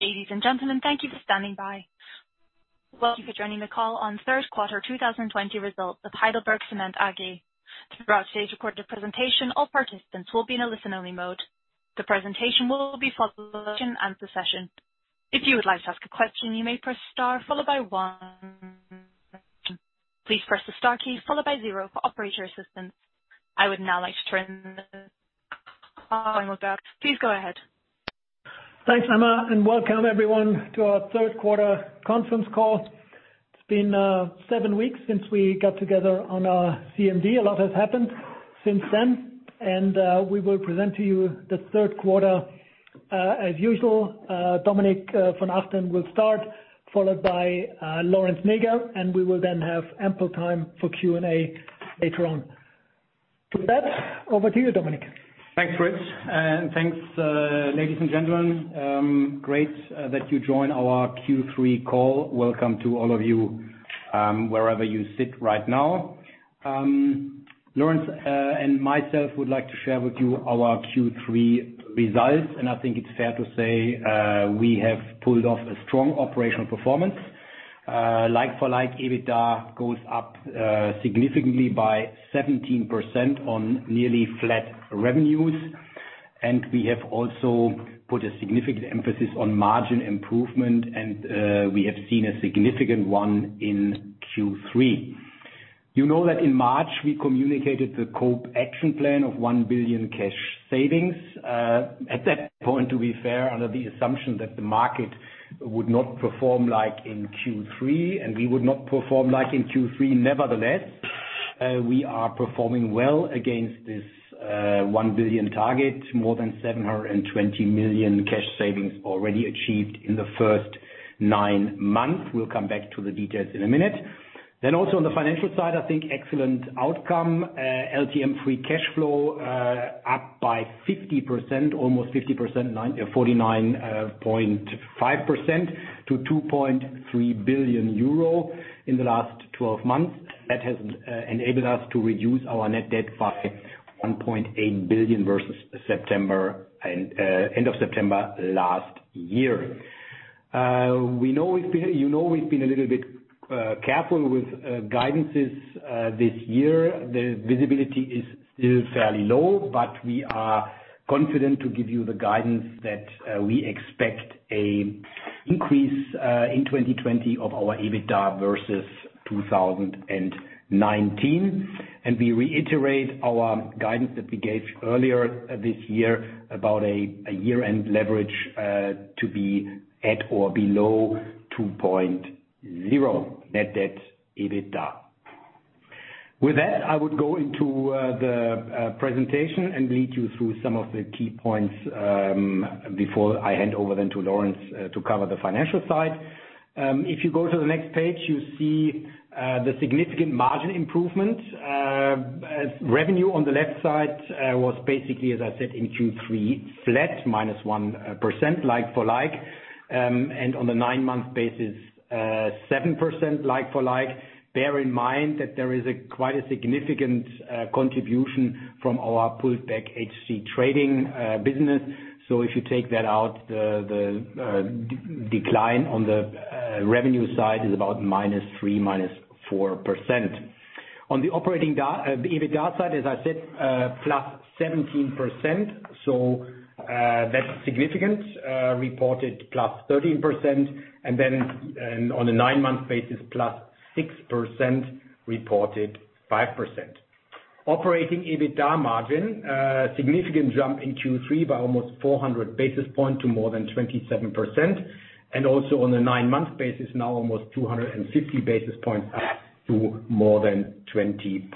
Ladies and gentlemen, thank you for standing by. Welcome for joining the call on third quarter 2020 results of HeidelbergCement AG. Throughout today's recorded presentation, all participants will be in a listen-only mode. The presentation will be followed by a question answer session. If you would like to ask a question, you may press star followed by one. Please press the star key followed by zero for operator assistance. I would now like to turn the call over to Chris. Please go ahead. Thanks, Emma, and welcome everyone to our third quarter conference call. It's been seven weeks since we got together on our CMD. A lot has happened since then, and we will present to you the third quarter as usual. Dominik von Achten will start, followed by Lorenz Näger, and we will then have ample time for Q&A later on. With that, over to you, Dominik. Thanks, Chris, and thanks ladies and gentlemen. Great that you join our Q3 call. Welcome to all of you, wherever you sit right now. Lorenz, and myself would like to share with you our Q3 results, and I think it's fair to say, we have pulled off a strong operational performance. Like for like, EBITDA goes up significantly by 17% on nearly flat revenues. We have also put a significant emphasis on margin improvement and we have seen a significant one in Q3. You know that in March we communicated the COPE action plan of 1 billion cash savings. At that point, to be fair, under the assumption that the market would not perform like in Q3, and we would not perform like in Q3. Nevertheless, we are performing well against this 1 billion target, more than 720 million cash savings already achieved in the first nine months. We'll come back to the details in a minute. Also on the financial side, I think excellent outcome. LTM free cashflow, up by 50%, almost 50%, 49.5% to 2.3 billion euro in the last 12 months. That has enabled us to reduce our net debt by 1.8 billion versus end of September last year. You know we've been a little bit careful with guidances this year. The visibility is still fairly low, but we are confident to give you the guidance that we expect an increase in 2020 of our EBITDA versus 2019. We reiterate our guidance that we gave earlier this year about a year-end leverage to be at or below 2.0 net debt EBITDA. With that, I would go into the presentation and lead you through some of the key points, before I hand over then to Lorenz to cover the financial side. If you go to the next page, you see the significant margin improvement. Revenue on the left side was basically, as I said, in Q3, flat -1%, like-for-like, and on the nine-month basis, 7%, like-for-like. Bear in mind that there is quite a significant contribution from our pulled back HC Trading business. If you take that out, the decline on the revenue side is about -3%, -4%. On the operating EBITDA side, as I said, +17%. That's significant, reported +13%, and then on a nine-month basis, +6%, reported +5%. Operating EBITDA margin, a significant jump in Q3 by almost 400 basis points to more than 27%, and also on the nine-month basis now almost 250 basis points up to more than 20.5%,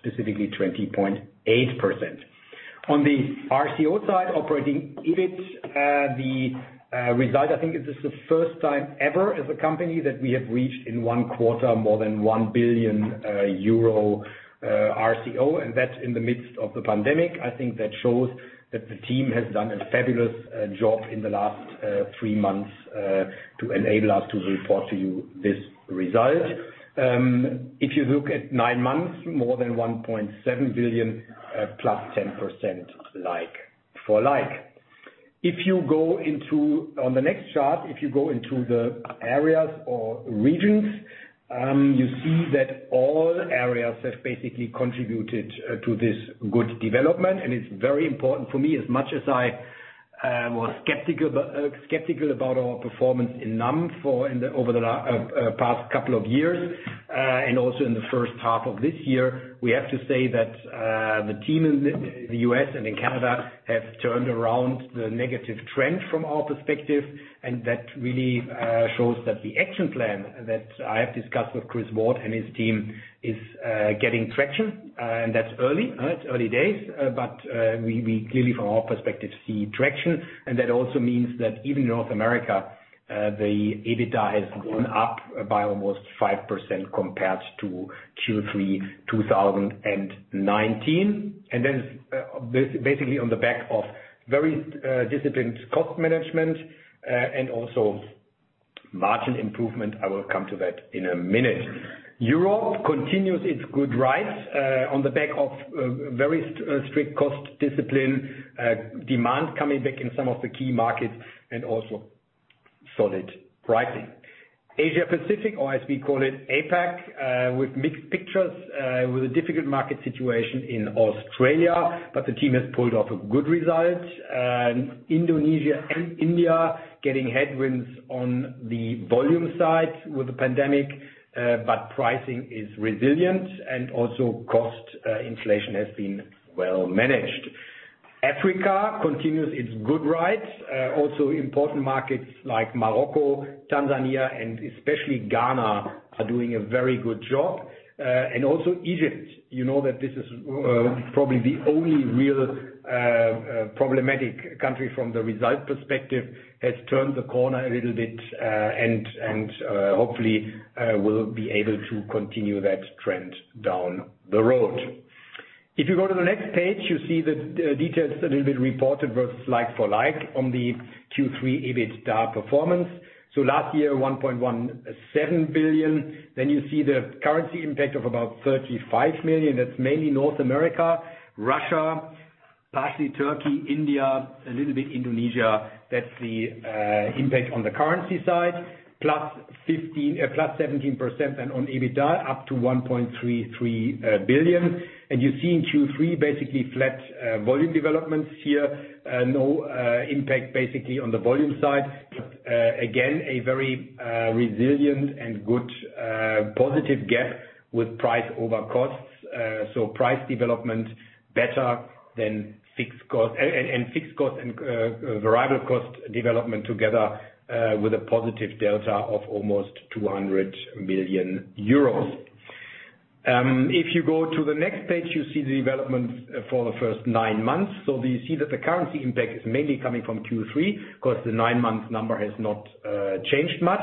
specifically 20.8%. On the RCO side, operating EBIT, the result, I think this is the first time ever as a company that we have reached in one quarter more than 1 billion euro RCO. That's in the midst of the pandemic. I think that shows that the team has done a fabulous job in the last three months, to enable us to report to you this result. If you look at nine-months, more than 1.7 billion, +10%, like-for-like. On the next chart, if you go into the areas or regions, you see that all areas have basically contributed to this good development. It's very important for me as much as I was skeptical about our performance in NAM over the past couple of years. Also in the first half of this year, we have to say that the team in the U.S. and in Canada have turned around the negative trend from our perspective. That really shows that the action plan that I have discussed with Chris Ward and his team is getting traction. That's early. It's early days. We clearly from our perspective, see traction, and that also means that even North America, the EBITDA has gone up by almost 5% compared to Q3 2019. That is basically on the back of very disciplined cost management, and also margin improvement, I will come to that in a minute. Europe continues its good rise on the back of very strict cost discipline, demand coming back in some of the key markets and also solid pricing. Asia-Pacific, or as we call it, APAC, with mixed pictures, with a difficult market situation in Australia, but the team has pulled off a good result. Indonesia and India getting headwinds on the volume side with the pandemic, but pricing is resilient and also cost inflation has been well managed. Africa continues its good rise. Important markets like Morocco, Tanzania, and especially Ghana are doing a very good job. Egypt, you know that this is probably the only real problematic country from the result perspective, has turned the corner a little bit, and hopefully will be able to continue that trend down the road. If you go to the next page, you see the details that have been reported versus like-for-like on the Q3 EBITDAR performance. Last year, 1.17 billion. You see the currency impact of about 35 million. That's mainly North America, Russia, partially Turkey, India, a little bit Indonesia. That's the impact on the currency side, +17% on EBITDAR up to 1.33 billion. You see in Q3, basically flat volume developments here. No impact, basically, on the volume side. Again, a very resilient and good positive gap with price over costs. Price development better than fixed cost. Fixed cost and variable cost development together with a positive delta of almost 200 million euros. If you go to the next page, you see the development for the first nine months. You see that the currency impact is mainly coming from Q3, because the nine-month number has not changed much.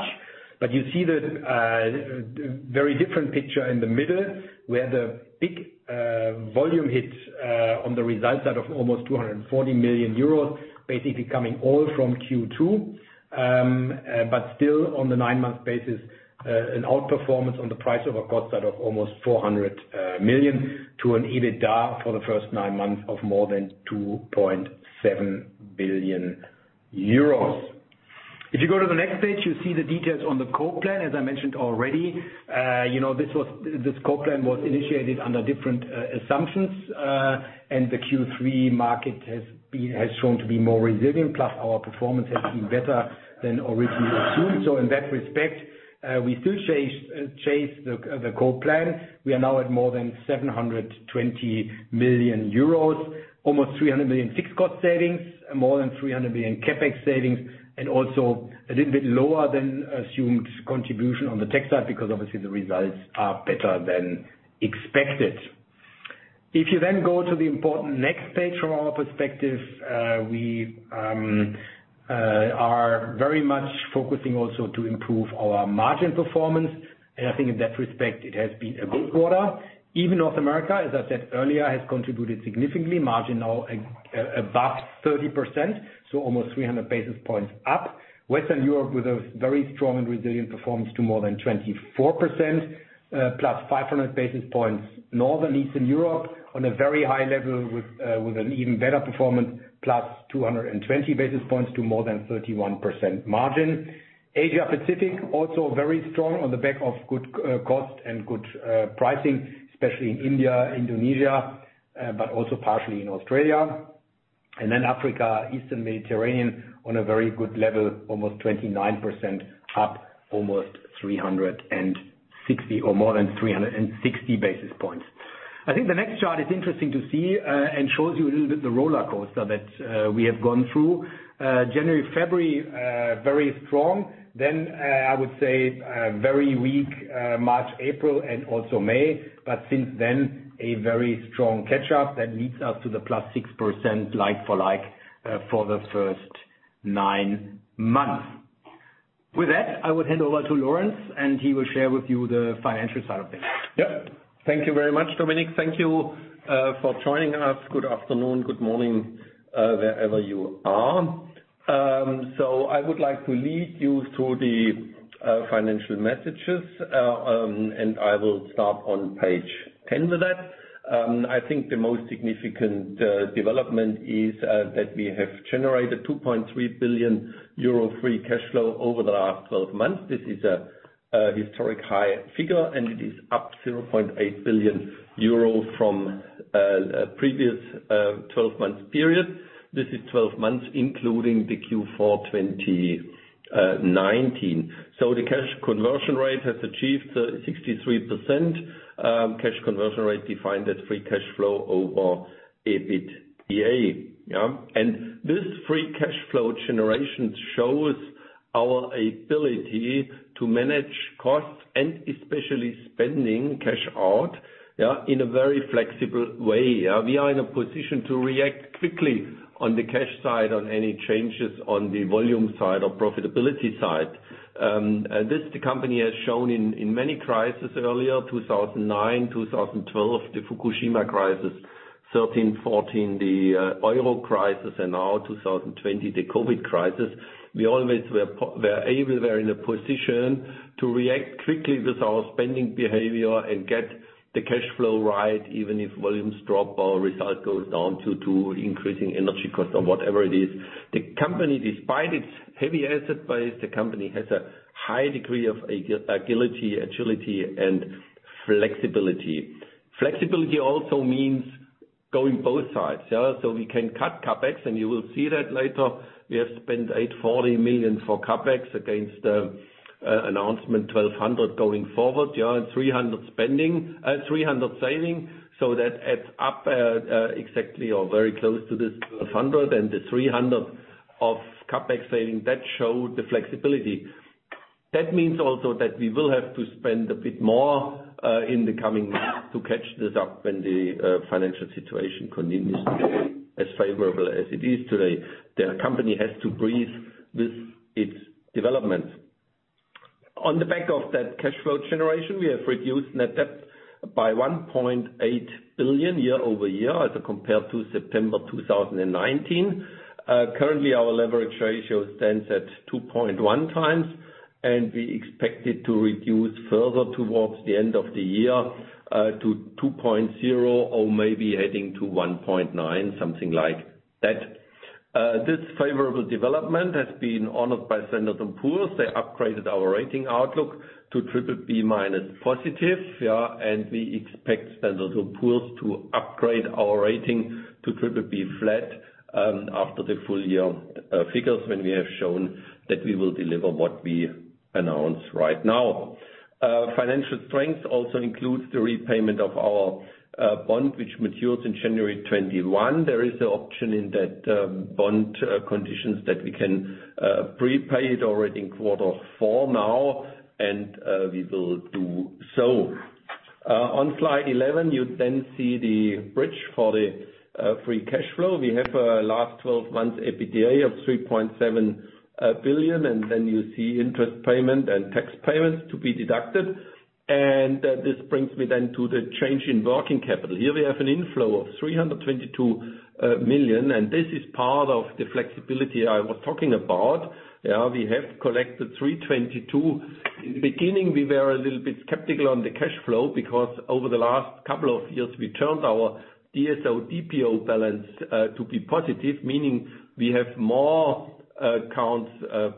You see the very different picture in the middle, where the big volume hit on the result side of almost 240 million euros, basically coming all from Q2. Still on the nine-month basis, an outperformance on the price over cost side of almost 400 million to an EBITDA for the first nine months of more than 2.7 billion euros. If you go to the next page, you see the details on the COPE plan, as I mentioned already. This COPE plan was initiated under different assumptions, and the Q3 market has shown to be more resilient, plus our performance has been better than originally assumed. In that respect, we still chase the COPE plan. We are now at more than 720 million euros, almost 300 million fixed cost savings, more than 300 million CapEx savings, and also a little bit lower than assumed contribution on the tech side, because obviously the results are better than expected. If you go to the important next page from our perspective, we are very much focusing also to improve our margin performance. I think in that respect, it has been a good quarter. Even North America, as I said earlier, has contributed significantly. Margin now above 30%, almost 300 basis points up. Western Europe with a very strong and resilient performance to more than 24%, +500 basis points. Northern Eastern Europe on a very high level with an even better performance, +220 basis points to more than 31% margin. Asia Pacific, also very strong on the back of good cost and good pricing, especially in India, Indonesia, but also partially in Australia. Africa, Eastern Mediterranean on a very good level, almost 29%, up almost 360 or more than 360 basis points. I think the next chart is interesting to see and shows you a little bit the roller coaster that we have gone through. January, February, very strong. I would say very weak March, April, and also May. Since then, a very strong catch-up that leads us to the +6% like-for-like for the first nine months. With that, I would hand over to Lorenz and he will share with you the financial side of things. Yep. Thank you very much, Dominik. Thank you for joining us. Good afternoon, good morning, wherever you are. I would like to lead you through the financial messages, and I will start on page 10 with that. I think the most significant development is that we have generated 2.3 billion euro free cash flow over the last 12 months. This is a historic high figure, and it is up 0.8 billion euro from previous 12 months period. This is 12 months, including the Q4 2019. The cash conversion rate has achieved 63%. Cash conversion rate defined as free cash flow over EBITDA. This free cash flow generation shows our ability to manage costs and especially spending cash out in a very flexible way. We are in a position to react quickly on the cash side on any changes on the volume side or profitability side. This the company has shown in many crises earlier, 2009, 2012, the Fukushima crisis. 2013, 2014, the oil crisis, and now 2020, the COVID crisis, we always were in a position to react quickly with our spending behavior and get the cash flow right, even if volumes drop or result goes down due to increasing energy costs or whatever it is. The company, despite its heavy asset base, the company has a high degree of agility and flexibility. Flexibility also means going both sides. We can cut CapEx and you will see that later. We have spent 840 million for CapEx against the announcement 1,200 going forward. 300 saving, so that adds up exactly or very close to this 1,200 and the 300 of CapEx saving, that showed the flexibility. That means also that we will have to spend a bit more, in the coming months to catch this up when the financial situation continues to be as favorable as it is today. The company has to breathe with its development. On the back of that cash flow generation, we have reduced net debt by 1.8 billion year-over-year as compared to September 2019. Currently, our leverage ratio stands at 2.1x, and we expect it to reduce further towards the end of the year, to 2.0 or maybe heading to 1.9, something like that. This favorable development has been honored by Standard & Poor's. They upgraded our rating outlook to BBB- positive. We expect Standard & Poor's to upgrade our rating to BBB flat, after the full year figures, when we have shown that we will deliver what we announce right now. Financial strength also includes the repayment of our bond, which matures in January 2021. There is an option in that bond conditions that we can prepay it already in quarter four now, and we will do so. On slide 11, you then see the bridge for the free cash flow. We have a last 12 months EBITDA of 3.7 billion, then you see interest payment and tax payments to be deducted. This brings me then to the change in working capital. Here we have an inflow of 322 million, and this is part of the flexibility I was talking about. We have collected 322. In the beginning, we were a little bit skeptical on the cash flow because over the last couple of years, we turned our DSO/DPO balance to be positive, meaning we have more accounts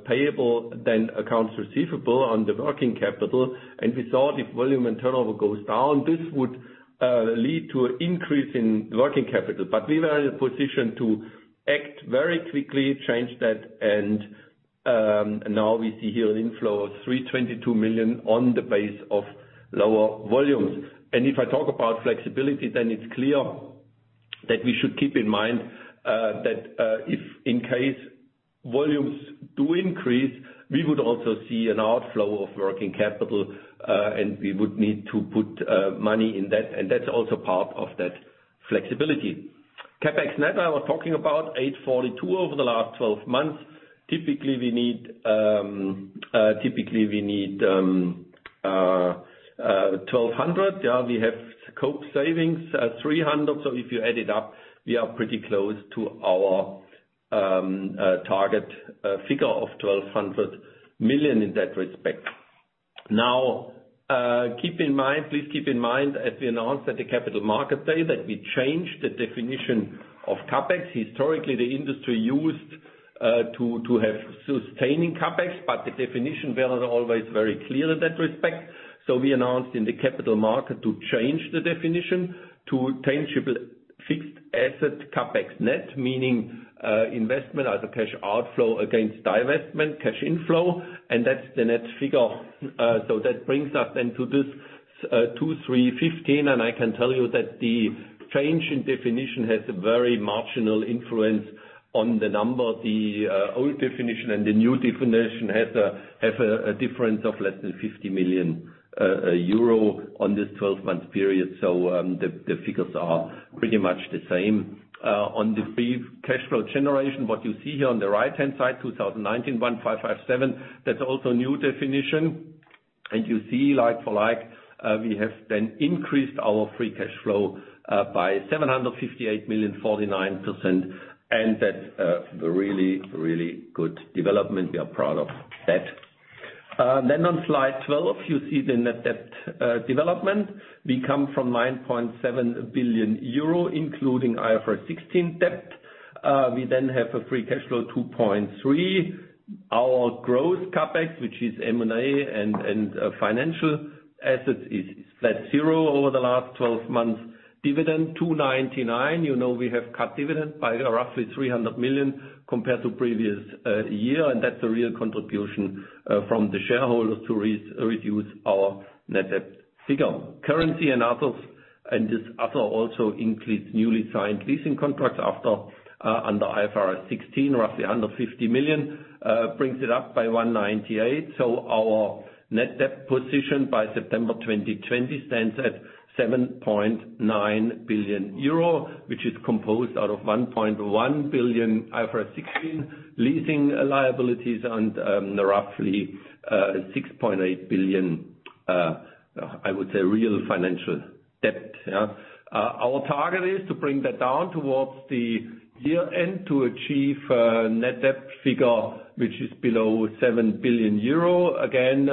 payable than accounts receivable on the working capital. We thought if volume and turnover goes down, this would lead to an increase in working capital. We were in a position to act very quickly, change that, and now we see here an inflow of 322 million on the base of lower volumes. If I talk about flexibility, it's clear that we should keep in mind that if in case volumes do increase, we would also see an outflow of working capital, and we would need to put money in that, and that's also part of that flexibility. CapEx net, I was talking about 842 over the last 12 months. Typically, we need 1,200. We have scope savings, 300. If you add it up, we are pretty close to our target figure of 1,200 million in that respect. Now, please keep in mind, as we announced at the Capital Markets Day, that we changed the definition of CapEx. Historically, the industry used to have sustaining CapEx. The definition wasn't always very clear in that respect. We announced in the capital market to change the definition to tangible fixed asset CapEx net, meaning investment as a cash outflow against divestment cash inflow, and that's the net figure. That brings us then to this 2,315, and I can tell you that the change in definition has a very marginal influence on the number. The old definition and the new definition have a difference of less than 50 million euro on this 12-month period. The figures are pretty much the same. On the free cash flow generation, what you see here on the right-hand side, 2019, 1,557, that's also new definition. You see like-for-like, we have then increased our free cash flow by 758 million, 49%, That's a really, really good development. We are proud of that. On slide 12, you see the net debt development. We come from 9.7 billion euro, including IFRS 16 debt. We then have a free cash flow, 2.3. Our growth CapEx, which is M&A and financial assets, is flat zero over the last 12 months. Dividend 299. You know we have cut dividend by roughly 300 million compared to previous year, That's a real contribution from the shareholders to reduce our net debt figure. Currency and others, this other also includes newly signed leasing contracts after, under IFRS 16, roughly 150 million, brings it up by 198. Our net debt position by September 2020 stands at 7.9 billion euro, which is composed out of 1.1 billion IFRS 16 leasing liabilities and roughly 6.8 billion, I would say real financial debt. Our target is to bring that down towards the year-end to achieve a net debt figure which is below 7 billion euro. Again,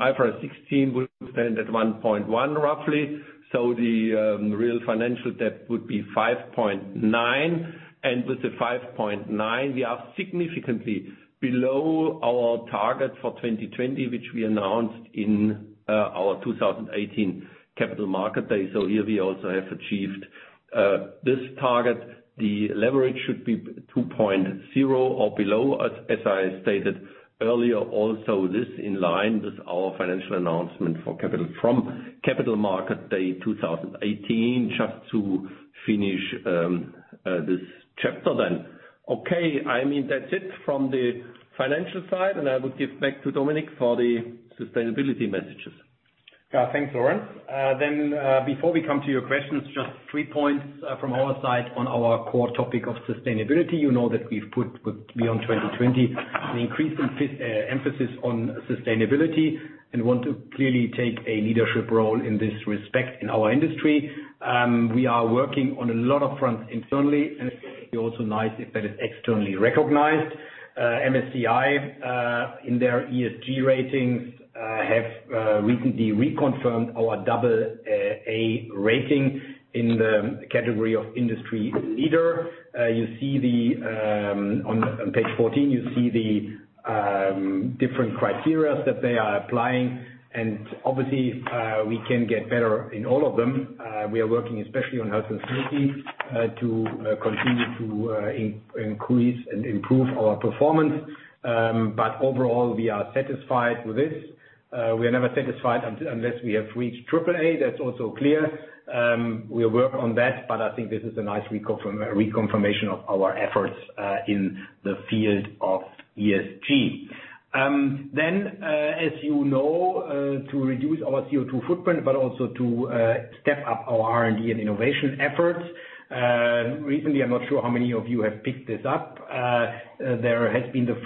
IFRS 16 will stand at 1.1 billion roughly. The real financial debt would be 5.9 billion, and with the 5.9 billion, we are significantly below our target for 2020, which we announced in our 2018 Capital Markets Day. Here we also have achieved this target. The leverage should be 2.0 or below, as I stated earlier. Also, this in line with our financial announcement from Capital Markets Day 2018. Just to finish this chapter then. Okay. That's it from the financial side, and I would give back to Dominik for the sustainability messages. Thanks, Lorenz. Before we come to your questions, just three points from our side on our core topic of sustainability. You know that we've put with Beyond 2020 an increased emphasis on sustainability and want to clearly take a leadership role in this respect in our industry. We are working on a lot of fronts internally, and it would be also nice if that is externally recognized. MSCI, in their ESG ratings, have recently reconfirmed our AA rating in the category of industry leader. On page 14, you see the different criteria that they are applying, and obviously, we can get better in all of them. We are working especially on health and safety to continue to increase and improve our performance. Overall, we are satisfied with this. We are never satisfied unless we have reached AAA. That's also clear. We'll work on that, but I think this is a nice reconfirmation of our efforts in the field of ESG. As you know, to reduce our CO2 footprint, but also to step up our R&D and innovation efforts. Recently, I'm not sure how many of you have picked this up. There has been the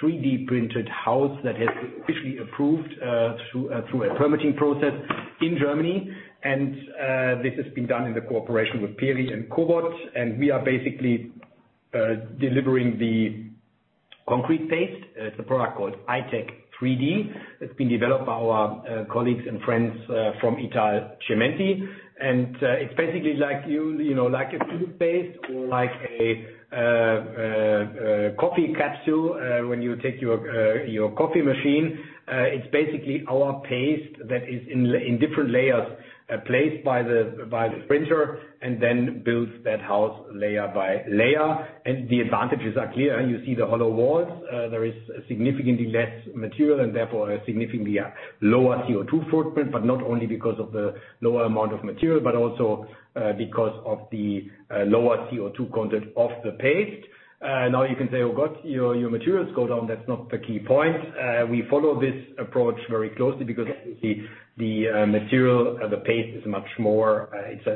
first 3D-printed house that has been officially approved through a permitting process in Germany, and this has been done in the cooperation with PERI and COBOD. We are basically delivering the concrete paste. It's a product called i.tech 3D that's been developed by our colleagues and friends from Italcementi. It's basically like a toothpaste or like a coffee capsule when you take your coffee machine. It's basically our paste that is in different layers placed by the printer and then builds that house layer by layer, and the advantages are clear. You see the hollow walls. There is significantly less material and therefore a significantly lower CO2 footprint, but not only because of the lower amount of material, but also because of the lower CO2 content of the paste. Now you can say, "Oh, good. Your materials go down." That's not the key point. We follow this approach very closely because the material, the paste,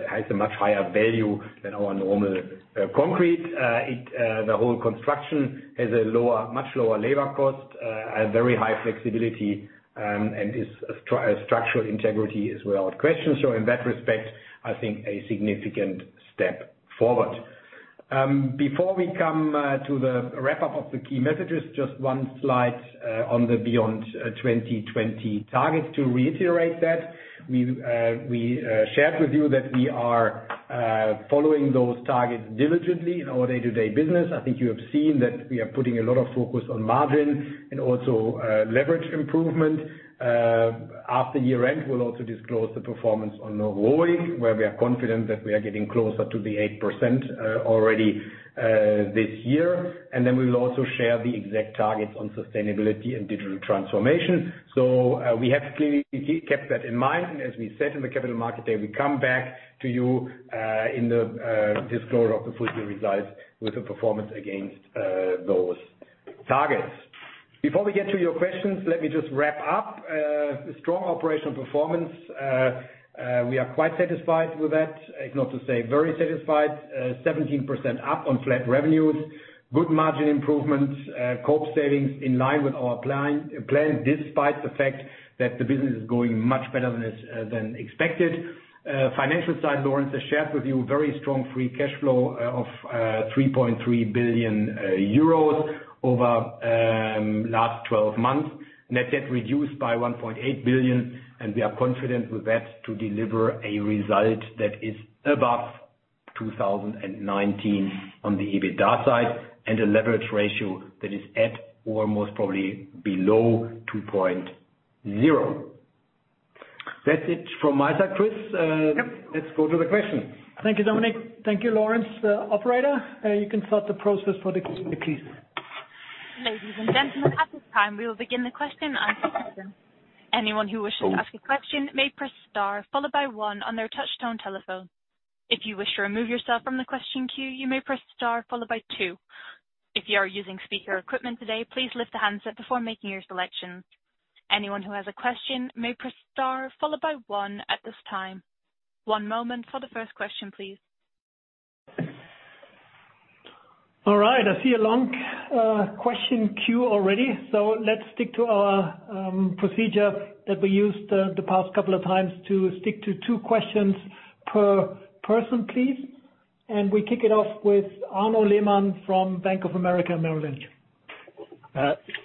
has a much higher value than our normal concrete. The whole construction has a much lower labor cost, a very high flexibility, and its structural integrity is without question. In that respect, I think a significant step forward. Before we come to the wrap-up of the key messages, just one slide on the Beyond 2020 targets to reiterate that. We shared with you that we are following those targets diligently in our day-to-day business. I think you have seen that we are putting a lot of focus on margin and also leverage improvement. After year-end, we will also disclose the performance on ROIC, where we are confident that we are getting closer to the 8% already this year. Then we will also share the exact targets on sustainability and digital transformation. We have clearly kept that in mind. As we said in the Capital Markets Day, we come back to you in the disclosure of the full year results with the performance against those targets. Before we get to your questions, let me just wrap up. A strong operational performance. We are quite satisfied with that, if not to say very satisfied. 17% up on flat revenues. Good margin improvements. COPE savings in line with our plan, despite the fact that the business is going much better than expected. Financial side, Lorenz has shared with you, very strong free cash flow of 3.3 billion euros over last 12 months. Net debt reduced by 1.8 billion. We are confident with that to deliver a result that is above 2019 on the EBITDA side and a leverage ratio that is at or most probably below 2.0. That's it from my side, Chris. Yep. Let's go to the questions. Thank you, Dominik. Thank you, Lorenz. Operator, you can start the process for the Q&A, please. Ladies and gentlemen, at this time, we will begin the question and answer session. Anyone who wishes to ask a question may press star followed by one on their touch-tone telephone. If you wish to remove yourself from the question queue, you may press star followed by two. If you are using speaker equipment today, please lift the handset before making your selections. Anyone who has a question may press star followed by one at this time. One moment for the first question, please. All right. I see a long question queue already. Let's stick to our procedure that we used the past couple of times to stick to two questions per person, please. We kick it off with Arnaud Lehmann from Bank of America Merrill Lynch.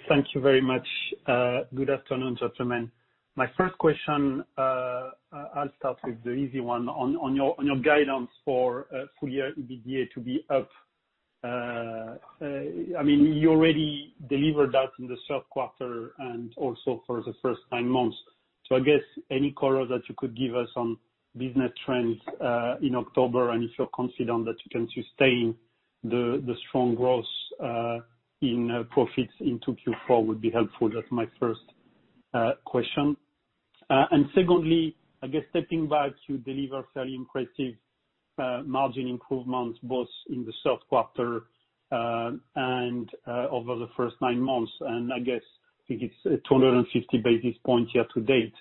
Thank you very much. Good afternoon, gentlemen. My first question, I'll start with the easy one, on your guidance for full year EBITDA to be up. You already delivered that in the third quarter, and also for the first nine months. I guess any color that you could give us on business trends, in October, and if you're confident that you can sustain the strong growth, in profits into Q4 would be helpful. That's my first question. Secondly, I guess stepping back, you deliver very impressive margin improvements both in the third quarter and over the first nine months, and I guess it's 250 basis points year to date.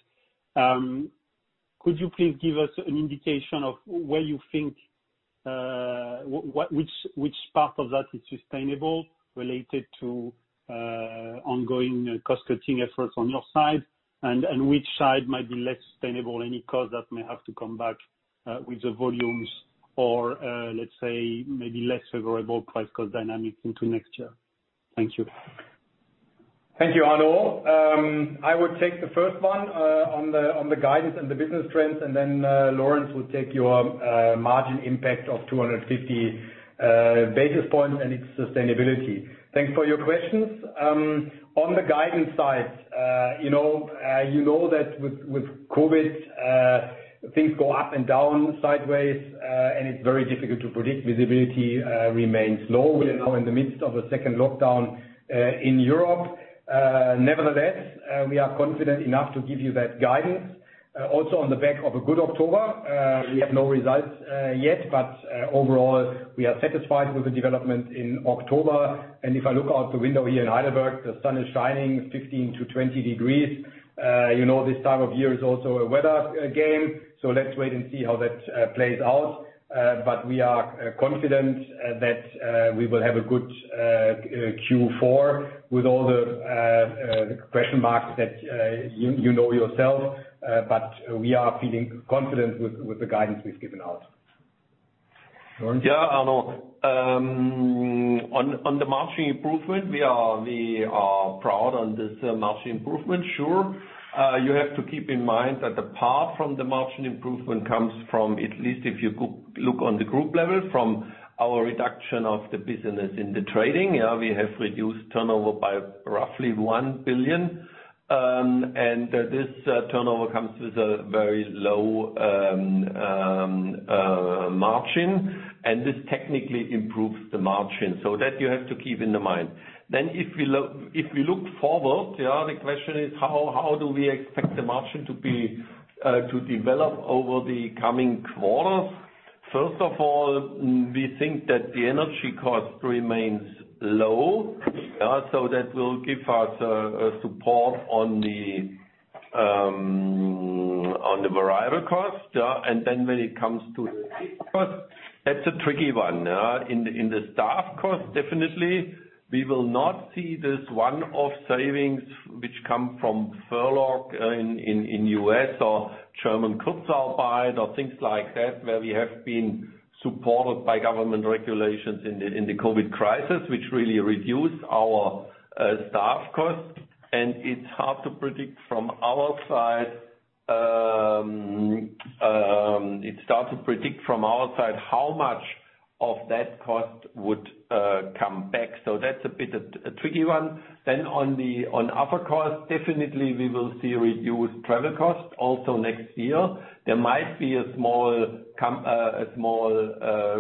Could you please give us an indication of where you think which part of that is sustainable related to ongoing cost-cutting efforts on your side, and which side might be less sustainable? Any cost that may have to come back, with the volumes or, let's say maybe less favorable price cost dynamics into next year. Thank you. Thank you, Arnaud. I would take the first one, on the guidance and the business trends. Then, Lorenz will take your margin impact of 250 basis points and its sustainability. Thanks for your questions. On the guidance side, you know that with COVID, things go up and down sideways, and it's very difficult to predict. Visibility remains low. We are now in the midst of a second lockdown in Europe. Nevertheless, we are confident enough to give you that guidance. Also on the back of a good October, we have no results yet. Overall, we are satisfied with the development in October. If I look out the window here in Heidelberg, the sun is shining 15-20 degrees. This time of year is also a weather game, so let's wait and see how that plays out. We are confident that we will have a good Q4 with all the question marks that you know yourself. We are feeling confident with the guidance we've given out. Lorenz. Yeah, Arnaud. On the margin improvement, we are proud on this margin improvement, sure. You have to keep in mind that apart from the margin improvement comes from, at least if you look on the group level, from our reduction of the business in the trading. We have reduced turnover by roughly 1 billion. This turnover comes with a very low margin, and this technically improves the margin. That you have to keep in mind. If we look forward, the other question is how do we expect the margin to develop over the coming quarters? First of all, we think that the energy cost remains low, so that will give us support on the variable cost. When it comes to the fixed cost, that's a tricky one. In the staff cost, definitely we will not see this one-off savings which come from furlough in U.S. or German Kurzarbeit or things like that, where we have been supported by government regulations in the COVID crisis, which really reduced our staff costs. It's hard to predict from our side how much of that cost would come back. That's a bit of a tricky one. On other costs, definitely we will see reduced travel costs also next year. There might be a small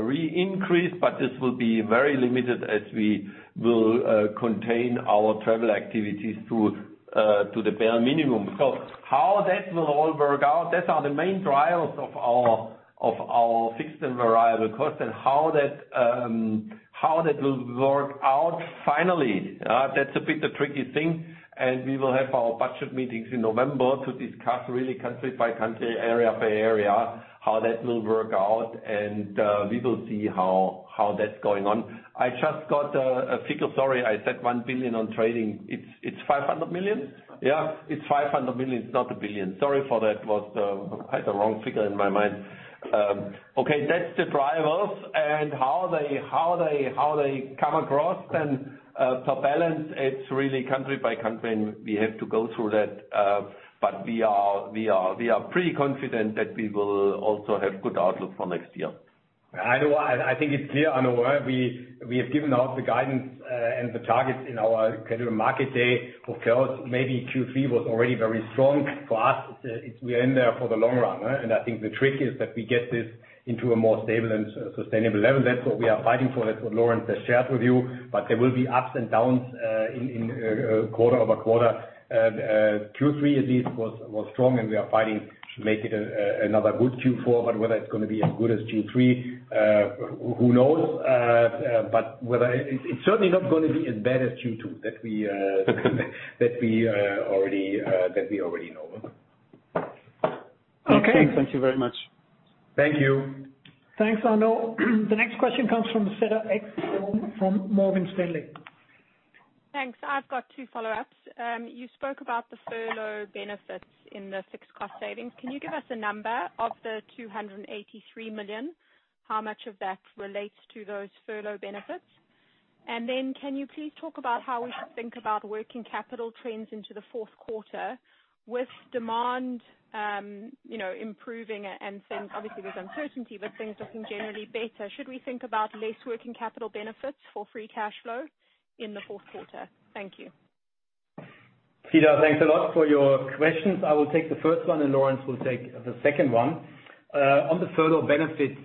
re-increase, but this will be very limited as we will contain our travel activities to the bare minimum. How that will all work out, that are the main trials of our fixed and variable costs, and how that will work out finally, that's a bit a tricky thing. We will have our budget meetings in November to discuss really country by country, area by area, how that will work out, and we will see how that's going on. I just got a figure. Sorry, I said 1 billion on trading. It's 500 million? Yeah. It's 500 million, it's not 1 billion. Sorry for that. I had the wrong figure in my mind. Okay, that's the drivers, and how they come across then per balance, it's really country by country, and we have to go through that. We are pretty confident that we will also have good outlook for next year. Arnaud, I think it's clear, Arnaud, we have given out the guidance and the targets in our Capital Markets Day for current. Maybe Q3 was already very strong for us. We are in there for the long run. I think the trick is that we get this into a more stable and sustainable level. That's what we are fighting for. That's what Lorenz has shared with you. There will be ups and downs in quarter-over-quarter. Q3 at least was strong, and we are fighting to make it another good Q4. Whether it's going to be as good as Q3, who knows? It's certainly not going to be as bad as Q2. That we already know. Okay. Thanks. Thank you very much. Thank you. Thanks, Arnaud. The next question comes from Cedar Ekblom from Morgan Stanley. Thanks. I've got two follow-ups. You spoke about the furlough benefits in the fixed cost savings. Can you give us a number of the 283 million? How much of that relates to those furlough benefits? Can you please talk about how we should think about working capital trends into the fourth quarter with demand improving and then obviously there's uncertainty, but things looking generally better. Should we think about less working capital benefits for free cash flow in the fourth quarter? Thank you. Cedar, thanks a lot for your questions. I will take the first one and Lorenz will take the second one. On the furlough benefits,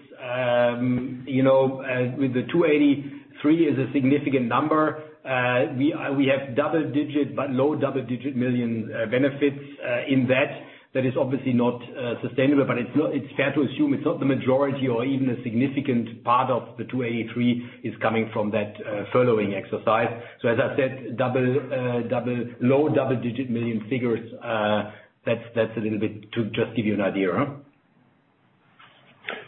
with the 283 is a significant number. We have double digit, but low double digit million EUR benefits in that. That is obviously not sustainable, but it's fair to assume it's not the majority or even a significant part of the 283 is coming from that furloughing exercise. As I said, low double digit million figures. That's a little bit to just give you an idea.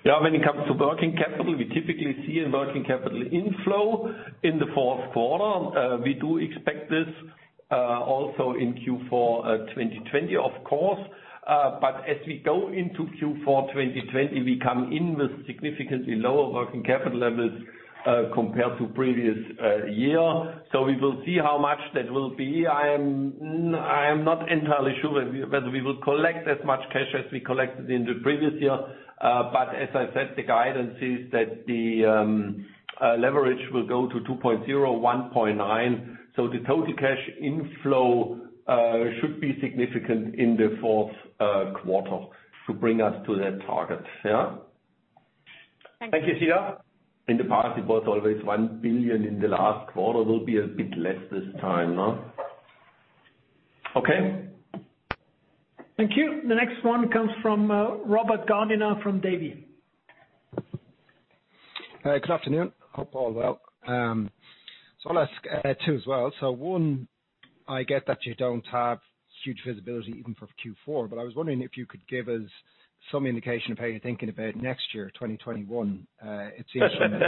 Yeah. When it comes to working capital, we typically see a working capital inflow in the fourth quarter. We do expect this, also in Q4 2020 of course. As we go into Q4 2020, we come in with significantly lower working capital levels, compared to previous year. We will see how much that will be. I am not entirely sure whether we will collect as much cash as we collected in the previous year. As I said, the guidance is that the leverage will go to 2.0, 1.9. The total cash inflow should be significant in the fourth quarter to bring us to that target. Yeah. Thank you. Thank you, Cedar. In the past, it was always 1 billion in the last quarter. Will be a bit less this time. Okay. Thank you. The next one comes from Robert Gardiner from Davy. Good afternoon. Hope all well. I'll ask two as well. One, I get that you don't have huge visibility even for Q4, but I was wondering if you could give us some indication of how you're thinking about next year, 2021. That is fine.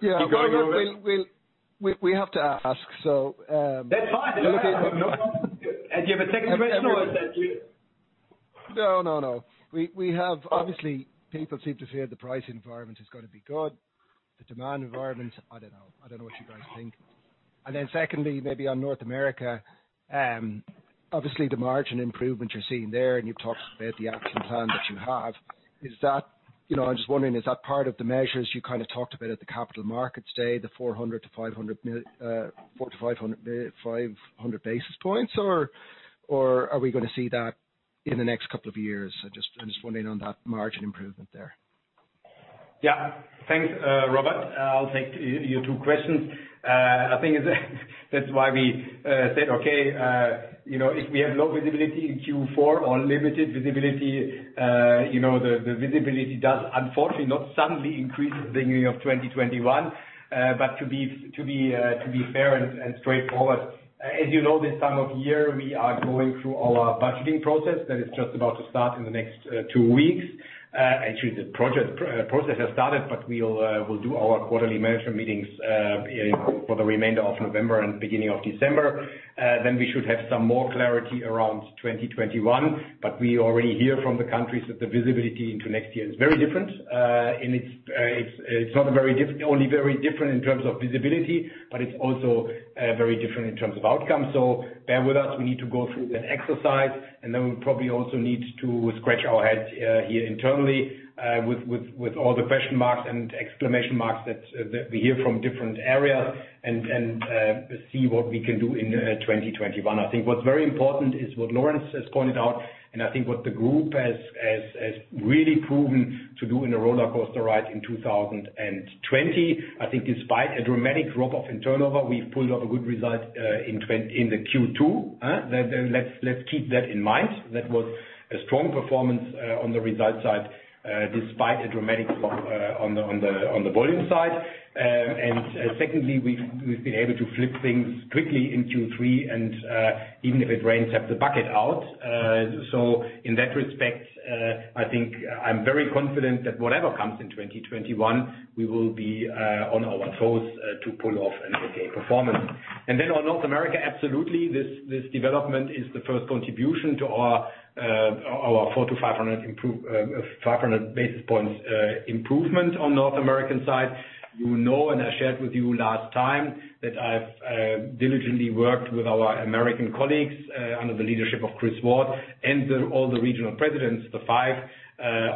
Yeah. You go ahead. We have to ask. That's fine. No. Do you have a second question or is that it? No, no. We have obviously, people seem to fear the price environment is gonna be good. The demand environment, I don't know. I don't know what you guys think. Secondly, maybe on North America, obviously the margin improvements you're seeing there, and you've talked about the action plan that you have. I'm just wondering, is that part of the measures you talked about at the Capital Markets Day, the 400-500 basis points, or are we gonna see that in the next couple of years? I'm just wondering on that margin improvement there. Yeah. Thanks, Robert. I'll take your two questions. I think that's why we said, okay, if we have low visibility in Q4 or limited visibility, the visibility does unfortunately not suddenly increase at the beginning of 2021. To be fair and straightforward, as you know, this time of year, we are going through our budgeting process that is just about to start in the next two weeks. Actually, the process has started, but we'll do our quarterly management meetings for the remainder of November and beginning of December. We should have some more clarity around 2021. We already hear from the countries that the visibility into next year is very different. It's not only very different in terms of visibility, but it's also very different in terms of outcomes. Bear with us. We need to go through that exercise, and then we'll probably also need to scratch our heads here internally, with all the question marks and exclamation marks that we hear from different areas and see what we can do in 2021. I think what's very important is what Lorenz has pointed out, and I think what the group has really proven to do in the rollercoaster ride in 2020. I think despite a dramatic drop-off in turnover, we've pulled off a good result in the Q2. Let's keep that in mind. That was a strong performance on the result side, despite a dramatic drop on the volume side. Secondly, we've been able to flip things quickly in Q3 and, even if it rains, have the bucket out. In that respect, I think I'm very confident that whatever comes in 2021, we will be on our toes to pull off an okay performance. On North America, absolutely, this development is the first contribution to our 400-500 basis points improvement on North American side. You know, I shared with you last time that I've diligently worked with our American colleagues, under the leadership of Chris Ward and all the regional presidents, the five,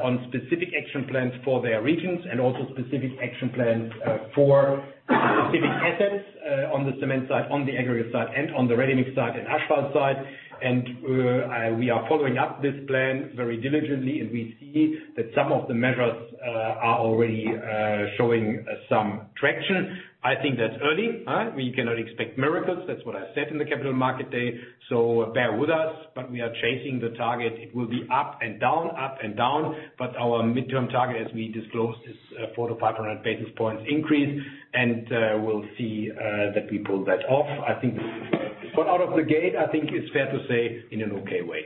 on specific action plans for their regions and also specific action plans for specific assets on the cement side, on the aggregate side, and on the ready-mix side and asphalt side. We are following up this plan very diligently, and we see that some of the measures are already showing some traction. I think that's early. We cannot expect miracles. That's what I said in the Capital Markets Day. Bear with us. We are chasing the target. It will be up and down, up and down, but our midterm target, as we disclosed, is 400-500 basis points increase. We'll see that we pull that off. I think out of the gate, I think it's fair to say in an okay way.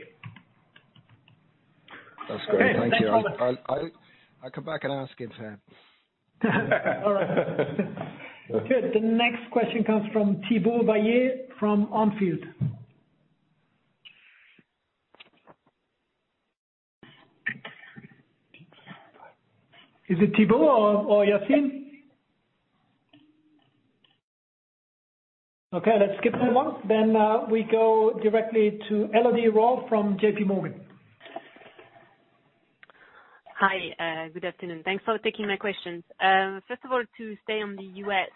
That's great. Thank you. Okay. Thanks. I'll come back and ask you too. All right. Good. The next question comes from Thibault Bailliet from On Field. Is it Thibault or Yassine? Okay, let's skip that one. We go directly to Elodie Rall from JPMorgan. Hi. Good afternoon. Thanks for taking my questions. First of all, to stay on the U.S.,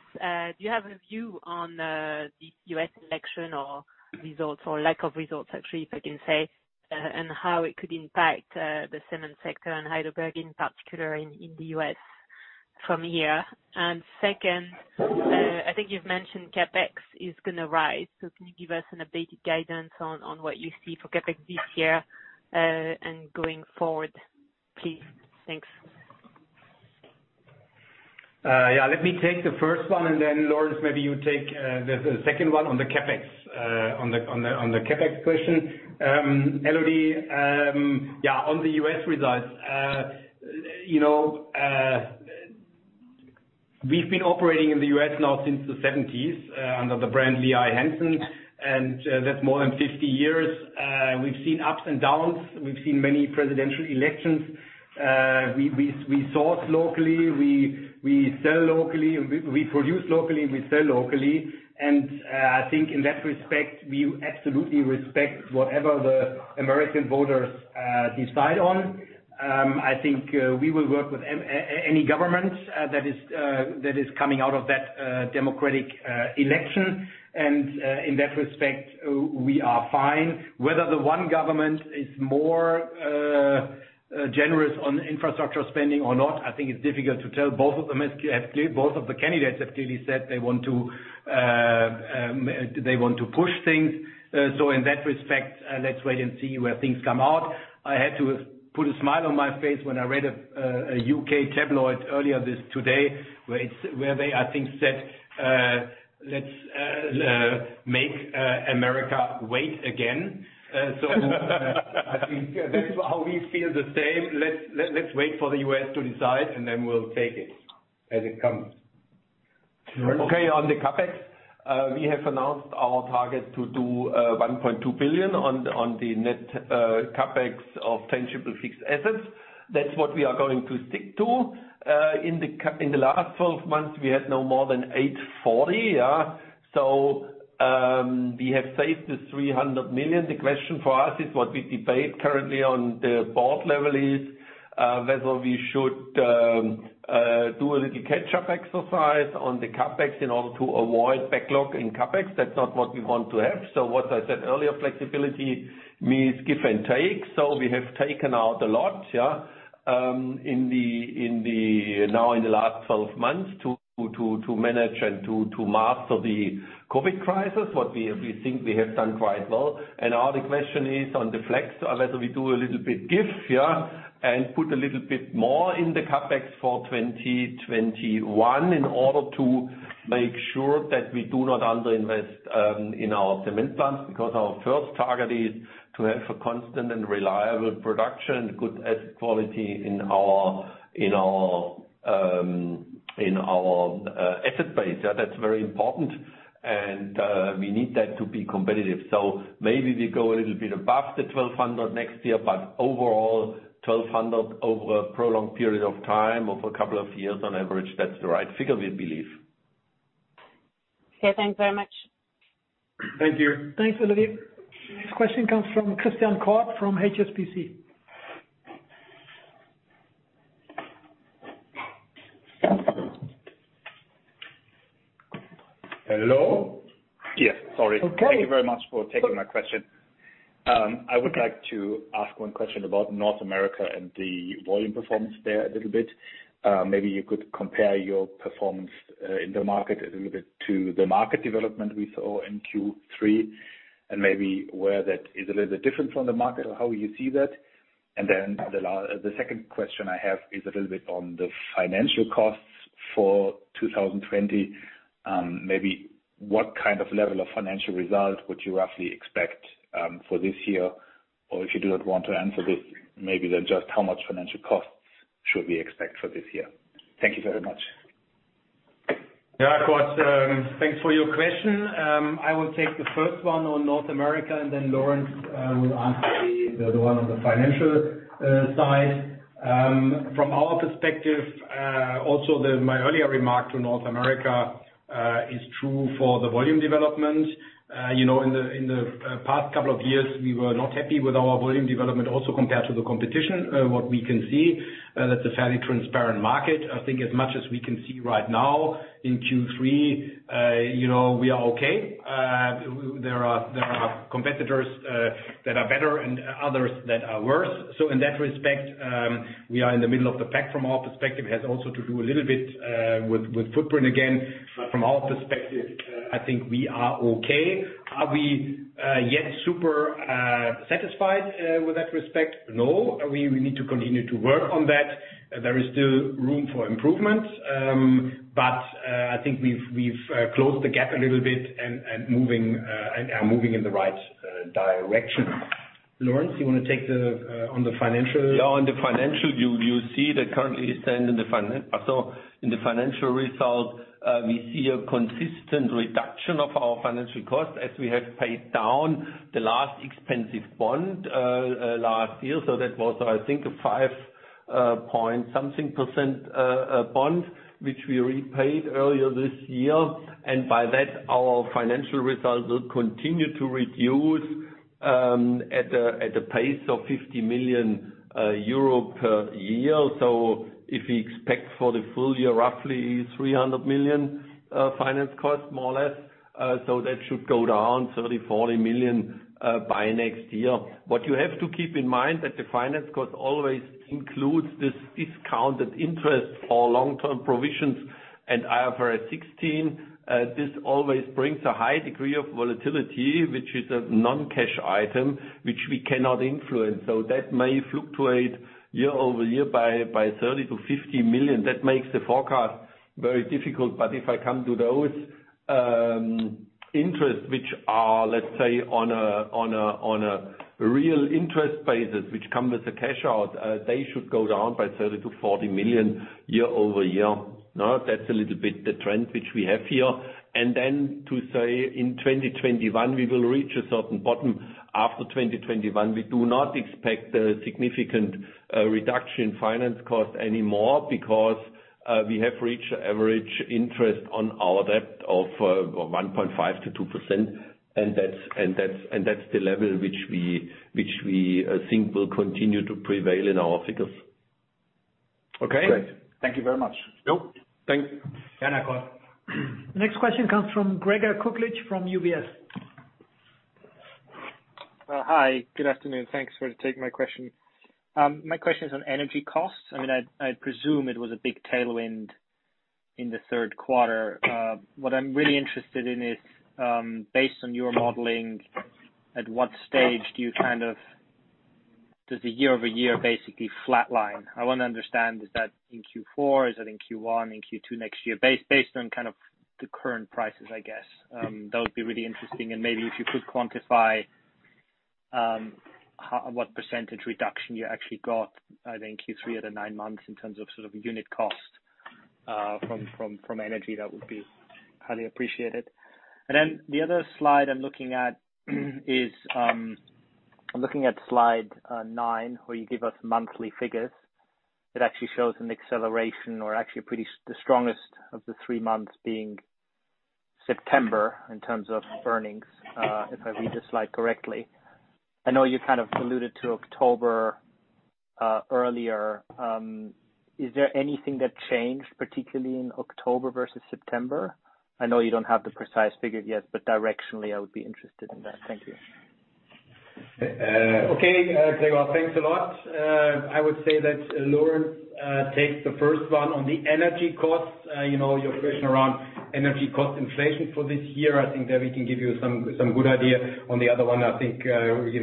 do you have a view on the U.S. election or results or lack of results, actually, if I can say, and how it could impact the cement sector and Heidelberg in particular in the U.S. from here? Second, I think you've mentioned CapEx is going to rise. Can you give us an updated guidance on what you see for CapEx this year, and going forward, please? Thanks. Yeah. Let me take the first one and then Lorenz, maybe you take the second one on the CapEx question. Elodie, on the U.S. results, we've been operating in the U.S. now since the '1970s, under the brand Lehigh Hanson. That's more than 50 years. We've seen ups and downs. We've seen many presidential elections. We source locally. We produce locally, we sell locally. I think in that respect, we absolutely respect whatever the American voters decide on. I think we will work with any government that is coming out of that democratic election. In that respect, we are fine. Whether the one government is more generous on infrastructure spending or not, I think it's difficult to tell. Both of the candidates have clearly said they want to push things. In that respect, let's wait and see where things come out. I had to put a smile on my face when I read a U.K. tabloid earlier this today, where they, I think, said, "Let's make America wait again." I think that is how we feel the same. Let's wait for the U.S. to decide, we'll take it as it comes. Lorenz. On the CapEx, we have announced our target to do 1.2 billion on the net CapEx of tangible fixed assets. That's what we are going to stick to. In the last 12 months, we had no more than 840 million. We have saved the 300 million. The question for us is what we debate currently on the board level is whether we should do a little catch-up exercise on the CapEx in order to avoid backlog in CapEx. That's not what we want to have. What I said earlier, flexibility means give and take. We have taken out a lot now in the last 12 months to manage and to master the COVID crisis, what we think we have done quite well. Now the question is on the flex, whether we do a little bit give here and put a little bit more in the CapEx for 2021 in order to make sure that we do not under-invest in our cement plants. Because our first target is to have a constant and reliable production, good asset quality in our asset base. That's very important. We need that to be competitive. Maybe we go a little bit above the 1,200 next year, but overall, 1,200 over a prolonged period of time, over a couple of years on average, that's the right figure we believe. Okay. Thanks very much. Thank you. Thanks, Elodie. Next question comes from Christian Kolb from HSBC. Hello? Yes. Sorry. Okay. Thank you very much for taking my question. I would like to ask one question about North America and the volume performance there a little bit. Maybe you could compare your performance in the market a little bit to the market development we saw in Q3, and maybe where that is a little different from the market or how you see that. The second question I have is a little bit on the financial costs for 2020. Maybe what kind of level of financial result would you roughly expect for this year? Or if you do not want to answer this, maybe then just how much financial costs should we expect for this year? Thank you very much. Kolb. Thanks for your question. I will take the first one on North America, and then Lorenz will answer the one on the financial side. From our perspective, also my earlier remark to North America, is true for the volume development. In the past couple of years, we were not happy with our volume development also compared to the competition. What we can see, that's a fairly transparent market. I think as much as we can see right now in Q3, we are okay. There are competitors that are better and others that are worse. In that respect, we are in the middle of the pack from our perspective. It has also to do a little bit with footprint again. From our perspective, I think we are okay. Are we yet super satisfied with that respect? No. We need to continue to work on that. There is still room for improvement. I think we've closed the gap a little bit and are moving in the right direction. Lorenz, you want to take on the financial? On the financial view, you see that currently it stands in the financial result, we see a consistent reduction of our financial cost as we have paid down the last expensive bond last year. That was, I think, a five point something percent bond, which we repaid earlier this year. By that, our financial result will continue to reduce at a pace of 50 million euro per year. If we expect for the full year, roughly 300 million finance cost, more or less. That should go down 30 million-40 million by next year. What you have to keep in mind that the finance cost always includes this discounted interest for long-term provisions and IFRS 16. This always brings a high degree of volatility, which is a non-cash item, which we cannot influence. That may fluctuate year-over-year by 30 million-50 million. That makes the forecast very difficult. If I come to those interests, which are, let's say, on a real interest basis, which come with a cash out, they should go down by 30 million-40 million year-over-year. That's a little bit the trend which we have here. Then to say in 2021, we will reach a certain bottom. After 2021, we do not expect a significant reduction in finance cost anymore because we have reached average interest on our debt of 1.5%-2%. That's the level which we think will continue to prevail in our figures. Okay. Great. Thank you very much. Yep. Thank you. Yeah, Kolb. Next question comes from Gregor Kuglitsch from UBS. Hi. Good afternoon. Thanks for taking my question. My question is on energy costs. I presume it was a big tailwind in the third quarter. What I'm really interested in is, based on your modeling, at what stage does the year-over-year basically flatline? I want to understand, is that in Q4? Is that in Q1, in Q2 next year? Based on the current prices, I guess. That would be really interesting, and maybe if you could quantify what percentage reduction you actually got by then Q3 or the nine months in terms of unit cost from energy, that would be highly appreciated. Then the other slide I'm looking at is I'm looking at slide nine, where you give us monthly figures. It actually shows an acceleration or actually the strongest of the three months being September in terms of earnings, if I read the slide correctly. I know you kind of alluded to October earlier. Is there anything that changed, particularly in October versus September? I know you don't have the precise figures yet, but directionally, I would be interested in that. Thank you. Okay, Gregor, thanks a lot. I would say that Lorenz takes the first one on the energy costs. Your question around energy cost inflation for this year, I think that we can give you some good idea. On the other one, I think, if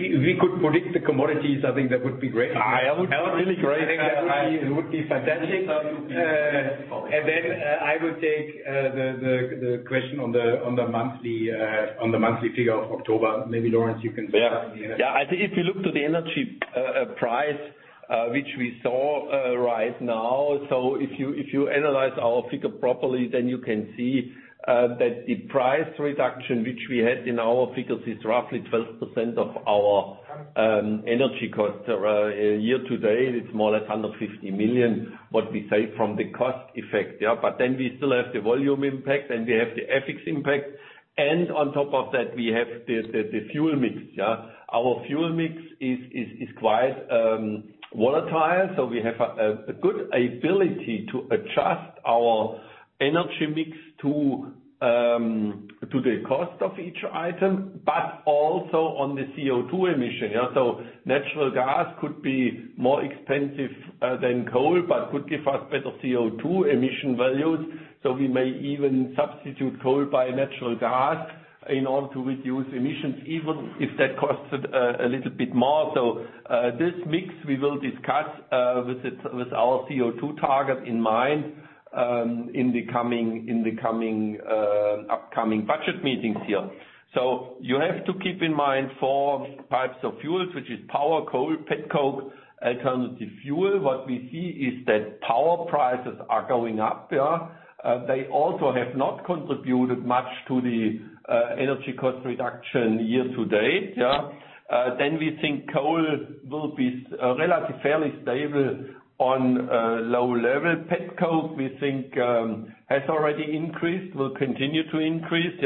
we could predict the commodities, I think that would be great. That would be really great. It would be fantastic. I would take the question on the monthly figure of October. Maybe Lorenz, you can take that. If you look to the energy price, which we saw right now. If you analyze our figure properly, you can see that the price reduction, which we had in our figures, is roughly 12% of our energy cost. Year to date, it's more or less 150 million, what we save from the cost effect. We still have the volume impact, we have the FX impact. On top of that, we have the fuel mix. Our fuel mix is quite volatile, we have a good ability to adjust our energy mix to the cost of each item, but also on the CO2 emission. Natural gas could be more expensive than coal, but could give us better CO2 emission values. We may even substitute coal by natural gas in order to reduce emissions, even if that costs a little bit more. This mix, we will discuss with our CO2 target in mind in the upcoming budget meetings here. You have to keep in mind four types of fuels, which is power, coal, petcoke, alternative fuel. What we see is that power prices are going up. They also have not contributed much to the energy cost reduction year to date. We think coal will be fairly stable on a low level. petcoke, we think has already increased, will continue to increase.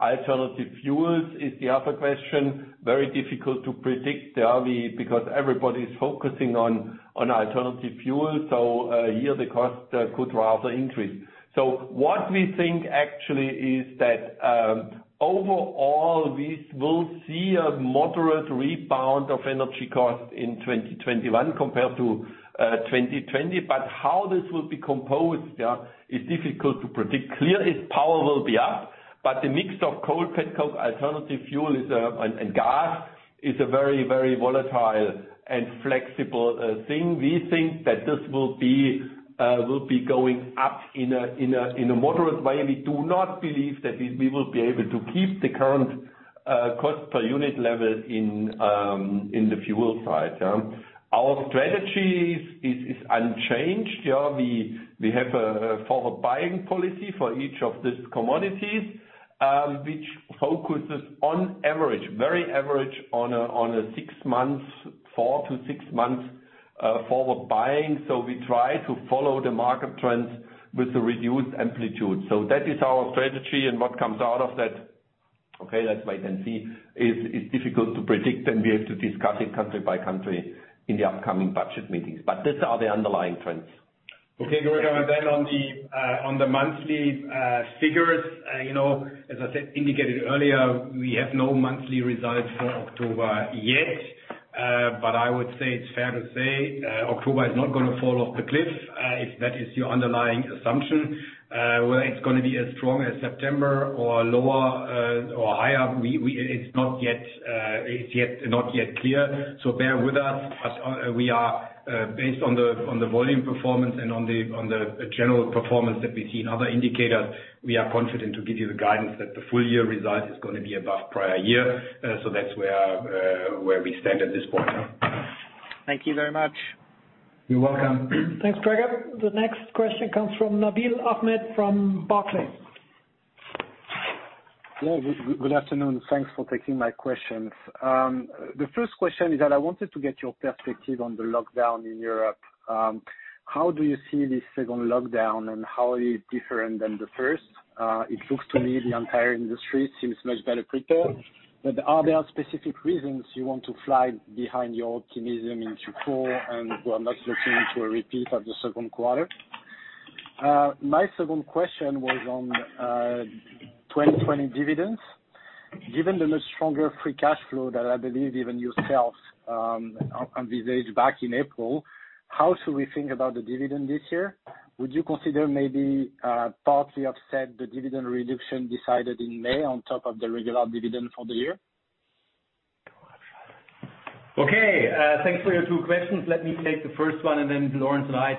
Alternative fuels is the other question. Very difficult to predict there because everybody's focusing on alternative fuel. Here the cost could rather increase. What we think actually is that overall, we will see a moderate rebound of energy cost in 2021 compared to 2020. How this will be composed is difficult to predict. Clearly, power will be up, but the mix of coal, petcoke, alternative fuel and gas is a very, very volatile and flexible thing. We think that this will be going up in a moderate way. We do not believe that we will be able to keep the current cost per unit level in the fuel side. Our strategy is unchanged. We have a forward buying policy for each of these commodities which focuses on average, very average, on a four to six months forward buying. We try to follow the market trends with a reduced amplitude. That is our strategy, and what comes out of that, let's wait and see, is difficult to predict, and we have to discuss it country by country in the upcoming budget meetings. These are the underlying trends. Okay, Gregor, on the monthly figures, as I said, indicated earlier, we have no monthly results for October yet. I would say it's fair to say, October is not going to fall off the cliff, if that is your underlying assumption. Whether it's going to be as strong as September or lower or higher, it's not yet clear, bear with us. Based on the volume performance and on the general performance that we see in other indicators, we are confident to give you the guidance that the full year result is going to be above prior year. That's where we stand at this point. Thank you very much. You're welcome. Thanks, Gregor. The next question comes from Nabil Ahmed from Barclays. Yeah. Good afternoon. Thanks for taking my questions. The first question is that I wanted to get your perspective on the lockdown in Europe. How do you see this second lockdown, and how is it different than the first? It looks to me the entire industry seems much better prepared, but are there specific reasons you want to flag behind your optimism into Q4 and we are not looking into a repeat of the second quarter? My second question was on 2020 dividends. Given the much stronger free cash flow that I believe even yourselves envisaged back in April, how should we think about the dividend this year? Would you consider maybe partly offset the dividend reduction decided in May on top of the regular dividend for the year? Thanks for your two questions. Let me take the first one, and then Lorenz and I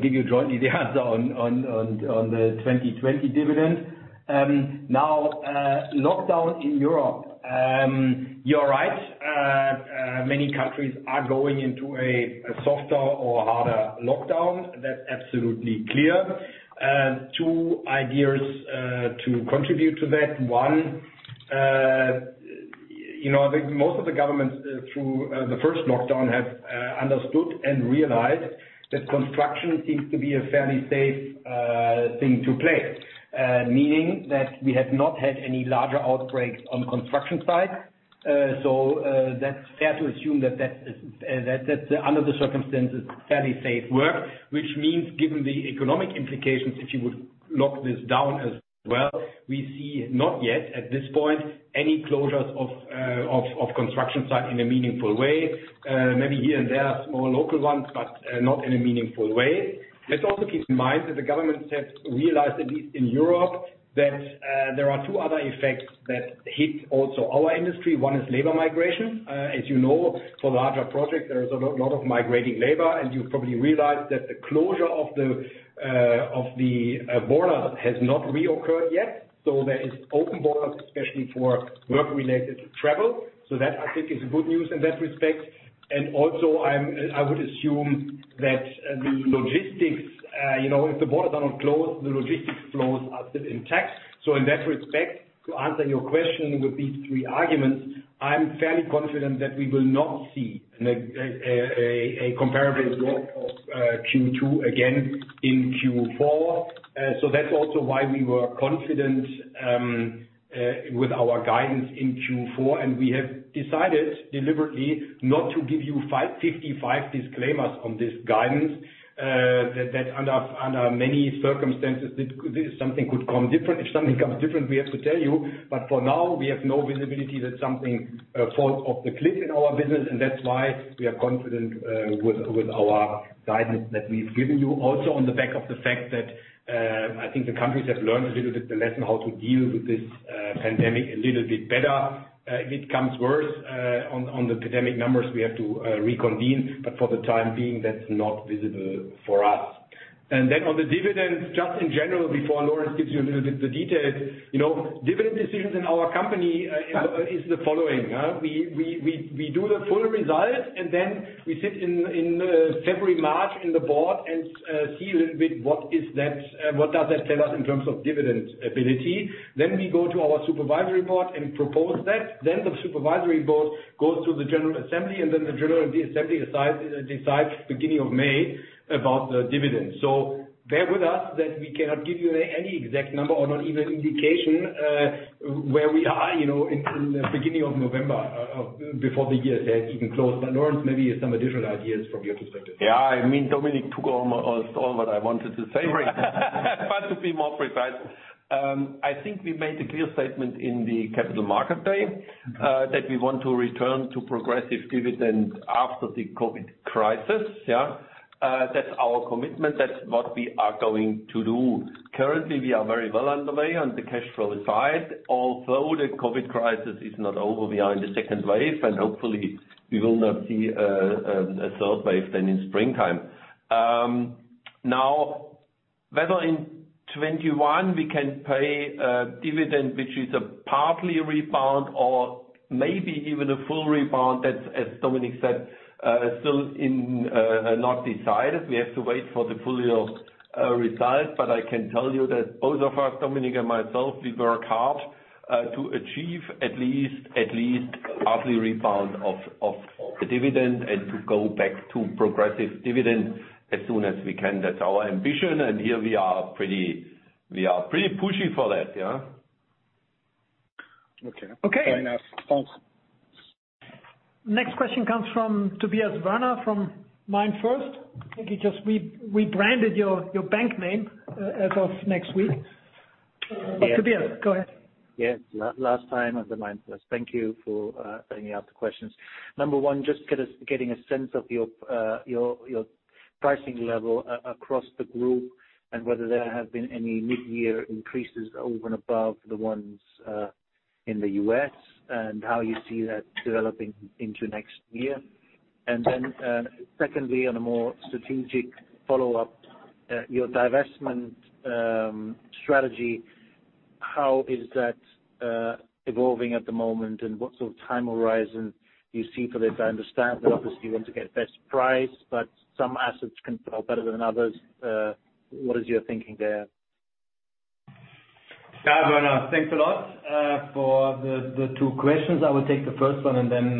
give you jointly the answer on the 2020 dividend. Lockdown in Europe. You're right, many countries are going into a softer or harder lockdown. That's absolutely clear. Two ideas to contribute to that. One, I think most of the governments through the first lockdown have understood and realized that construction seems to be a fairly safe thing to play. Meaning that we have not had any larger outbreaks on construction sites. That's fair to assume that that's under the circumstances, fairly safe work. Given the economic implications, if you would lock this down as well, we see not yet at this point, any closures of construction site in a meaningful way. Maybe here and there are small local ones, but not in a meaningful way. Let's also keep in mind that the government has realized, at least in Europe, that there are two other effects that hit also our industry. One is labor migration. As you know, for larger projects, there is a lot of migrating labor, and you probably realize that the closure of the border has not reoccurred yet. There is open borders, especially for work-related travel. That I think is good news in that respect, and also I would assume that the logistics, if the borders are not closed, the logistics flows are still intact. In that respect, to answer your question with these three arguments, I'm fairly confident that we will not see a comparable drop of Q2 again in Q4. That's also why we were confident with our guidance in Q4, and we have decided deliberately not to give you 55 disclaimers on this guidance. That under many circumstances, something could come different. If something comes different, we have to tell you. For now, we have no visibility that something falls off the cliff in our business, and that's why we are confident with our guidance that we've given you. Also on the back of the fact that I think the countries have learned a little bit the lesson how to deal with this pandemic a little bit better. If it comes worse on the pandemic numbers, we have to reconvene, but for the time being, that's not visible for us. On the dividends, just in general, before Lorenz gives you a little bit the details. Dividend decisions in our company is the following. We do the full result. Then we sit in February, March in the Board and see a little bit what does that tell us in terms of dividend ability. We go to our Supervisory Board and propose that. The Supervisory Board goes to the General Assembly, and then the General Assembly decides beginning of May about the dividend. Bear with us that we cannot give you any exact number or not even indication where we are in the beginning of November before the year has even closed. Lorenz, maybe some additional ideas from your perspective. Yeah, I mean, Dominik took all what I wanted to say. To be more precise. I think we made a clear statement in the Capital Markets Day that we want to return to progressive dividend after the COVID crisis. That's our commitment. That's what we are going to do. Currently, we are very well underway on the cash flow side, although the COVID crisis is not over. We are in the second wave, and hopefully we will not see a third wave then in springtime. Whether in 2021 we can pay a dividend, which is a partly rebound or maybe even a full rebound, that's, as Dominik said, still not decided. We have to wait for the full year result. I can tell you that both of us, Dominik and myself, we work hard to achieve at least partly rebound of the dividend and to go back to progressive dividend as soon as we can. That's our ambition, and here we are pretty pushy for that, yeah. Okay. Okay. Thanks. Next question comes from Tobias Wörner from MainFirst. I think you just rebranded your bank name as of next week. Yes. Tobias, go ahead. Yes. Last time as the MainFirst. Thank you for bringing up the questions. Number one, just getting a sense of your pricing level across the group and whether there have been any mid-year increases over and above the ones in the U.S., and how you see that developing into next year. Then secondly, on a more strategic follow-up, your divestment strategy, how is that evolving at the moment and what sort of time horizon do you see for this? I understand that obviously you want to get best price. Some assets can sell better than others. What is your thinking there? Yeah, Wörner, thanks a lot for the two questions. I will take the first one. Then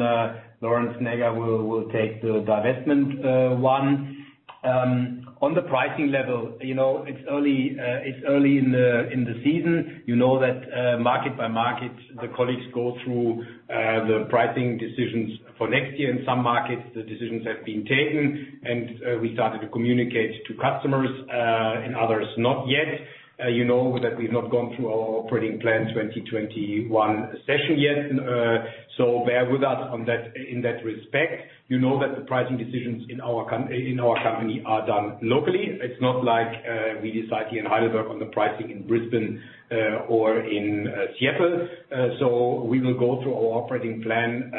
Lorenz Näger will take the divestment one. On the pricing level, it's early in the season. You know that market by market, the colleagues go through the pricing decisions for next year. In some markets the decisions have been taken and we started to communicate to customers, in others, not yet. You know that we've not gone through our operating plan 2021 session yet. Bear with us in that respect. You know that the pricing decisions in our company are done locally. It's not like we decide here in Heidelberg on the pricing in Brisbane or in Seattle. We will go through our operating plan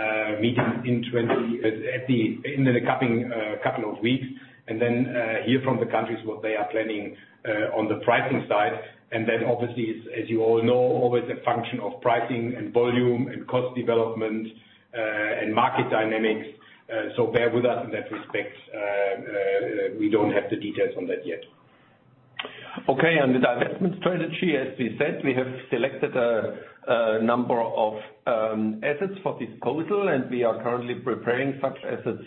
meetings in the coming couple of weeks and then hear from the countries what they are planning on the pricing side. Obviously, as you all know, always a function of pricing and volume and cost development, and market dynamics. Bear with us in that respect. We don't have the details on that yet. Okay, on the divestment strategy, as we said, we have selected a number of assets for disposal, and we are currently preparing such assets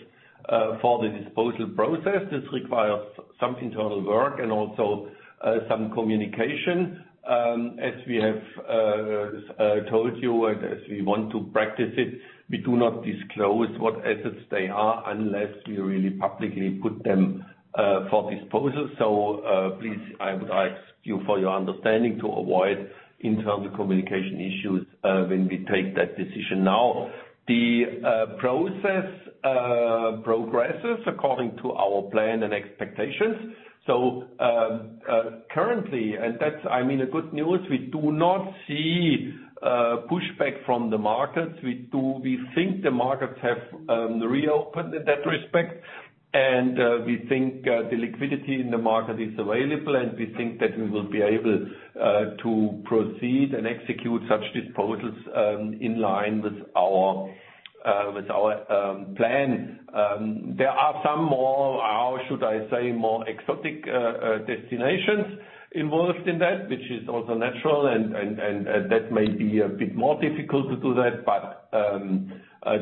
for the disposal process. This requires some internal work and also some communication. As we have told you, and as we want to practice it, we do not disclose what assets they are unless we really publicly put them for disposal. Please, I would ask you for your understanding to avoid internal communication issues when we take that decision now. The process progresses according to our plan and expectations. Currently, and that's good news, we do not see pushback from the markets. We think the markets have reopened in that respect. We think the liquidity in the market is available, and we think that we will be able to proceed and execute such disposals in line with our plan. There are some more, how should I say, more exotic destinations involved in that, which is also natural, and that may be a bit more difficult to do that.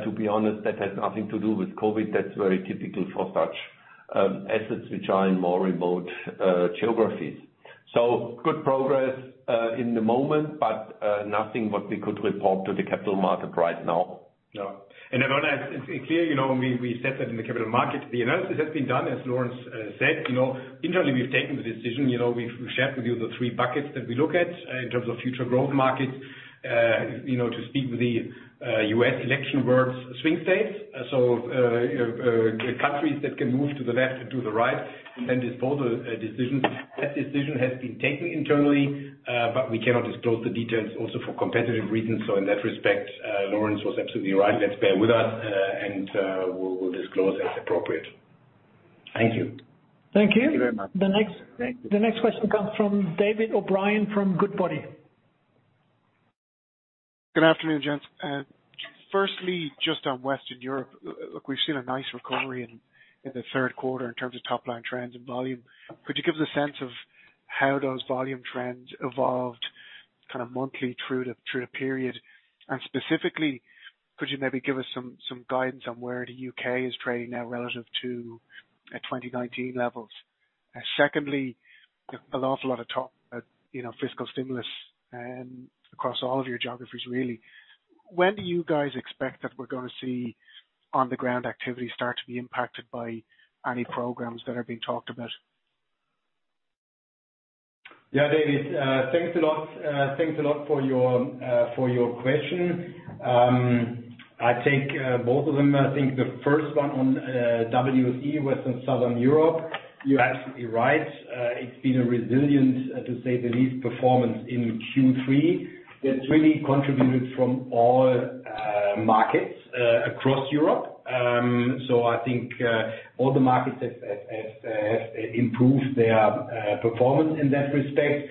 To be honest, that has nothing to do with COVID. That's very typical for such assets which are in more remote geographies. Good progress in the moment, but nothing what we could report to the Capital Market right now. No. Again, it's clear, we said that in the Capital Market. The analysis has been done, as Lorenz said. Internally we've taken the decision. We've shared with you the three buckets that we look at in terms of future growth markets, to speak with the U.S. election words, swing states. Countries that can move to the left and to the right and disposal decisions. That decision has been taken internally, but we cannot disclose the details also for competitive reasons. In that respect, Lorenz was absolutely right. Let's bear with us and we'll disclose as appropriate. Thank you. Thank you. Thank you very much. The next question comes from David O'Brien from Goodbody. Good afternoon, gents. Firstly, just on Western Europe, look, we've seen a nice recovery in the third quarter in terms of top line trends and volume. Could you give us a sense of how those volume trends evolved kind of monthly through the period? Specifically, could you maybe give us some guidance on where the U.K. is trading now relative to 2019 levels? Secondly, a lot of talk about fiscal stimulus across all of your geographies really. When do you guys expect that we're going to see on-the-ground activity start to be impacted by any programs that are being talked about? David. Thanks a lot for your question. I'll take both of them. I think the first one on WSE, West and Southern Europe, you're absolutely right. It's been a resilient, to say the least, performance in Q3 that's really contributed from all markets across Europe. I think all the markets have improved their performance in that respect.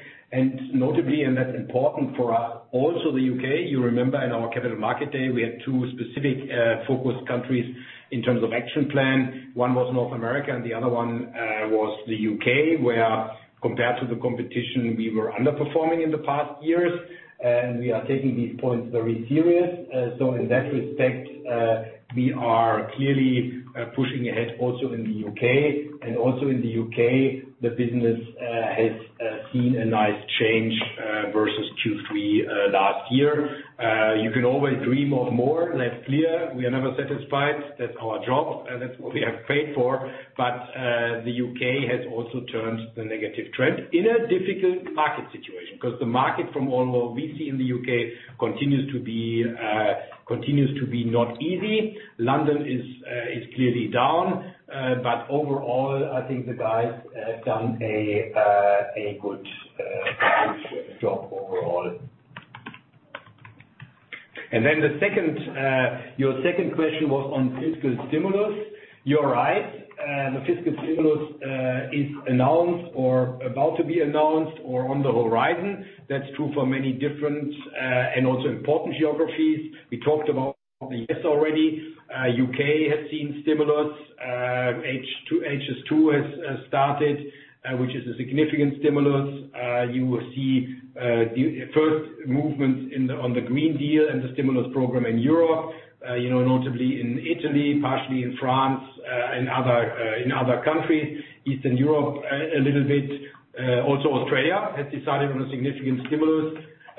Notably, and that's important for us, also the U.K. You remember in our Capital Markets Day, we had two specific focus countries in terms of action plan. One was North America and the other one was the U.K., where compared to the competition, we were underperforming in the past years. We are taking these points very serious. In that respect, we are clearly pushing ahead also in the U.K. Also in the U.K., the business has seen a nice change versus Q3 last year. You can always dream of more. That's clear. We are never satisfied. That's our job. That's what we are paid for. The U.K. has also turned the negative trend in a difficult market situation because the market from all we see in the U.K. continues to be not easy. London is clearly down. Overall, I think the guys have done a good job overall. Your second question was on fiscal stimulus. You're right. The fiscal stimulus is announced or about to be announced or on the horizon. That's true for many different and also important geographies. We talked about the U.S. already. U.K. has seen stimulus. HS2 has started, which is a significant stimulus. You will see the first movements on the Green Deal and the stimulus program in Europe, notably in Italy, partially in France and in other countries. Eastern Europe a little bit. Australia has decided on a significant stimulus. I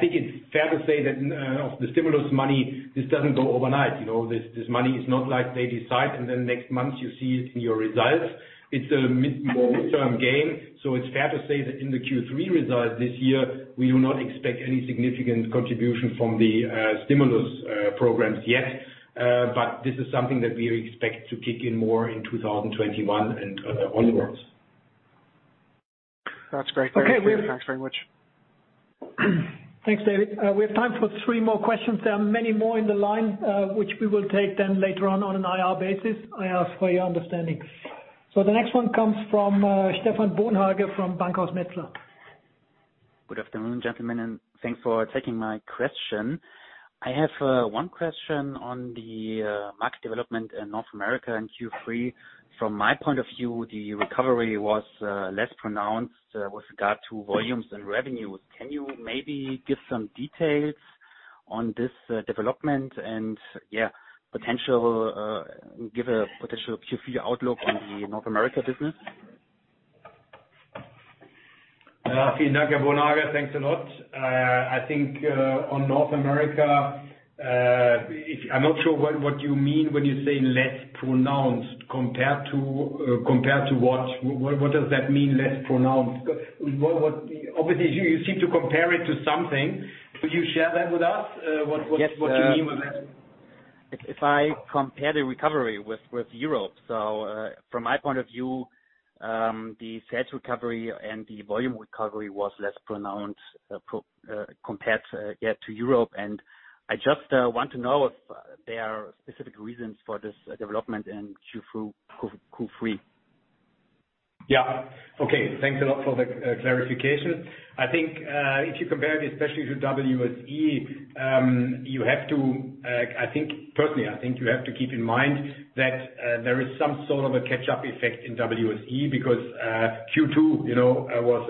think it's fair to say that of the stimulus money, this doesn't go overnight. This money is not like they decide and then next month you see it in your results. It's a more midterm game. It's fair to say that in the Q3 results this year, we do not expect any significant contribution from the stimulus programs yet. This is something that we expect to kick in more in 2021 and onwards. That's great. Thanks very much. Thanks, David. We have time for three more questions. There are many more in the line, which we will take then later on an IR basis. I ask for your understanding. The next one comes from Stephan Bauer from Bankhaus Metzler. Good afternoon, gentlemen, and thanks for taking my question. I have one question on the market development in North America in Q3. From my point of view, the recovery was less pronounced with regard to volumes and revenues. Can you maybe give some details on this development and give a potential Q3 outlook on the North America business? Thanks a lot. I think on North America, I'm not sure what you mean when you say less pronounced compared to what? What does that mean, less pronounced? Obviously, you seem to compare it to something. Could you share that with us? If I compare the recovery with Europe. From my point of view, the sales recovery and the volume recovery was less pronounced compared to Europe. I just want to know if there are specific reasons for this development in Q3. Thanks a lot for the clarification. If you compare it, especially to WSE, personally, you have to keep in mind that there is some sort of a catch-up effect in WSE because Q2 was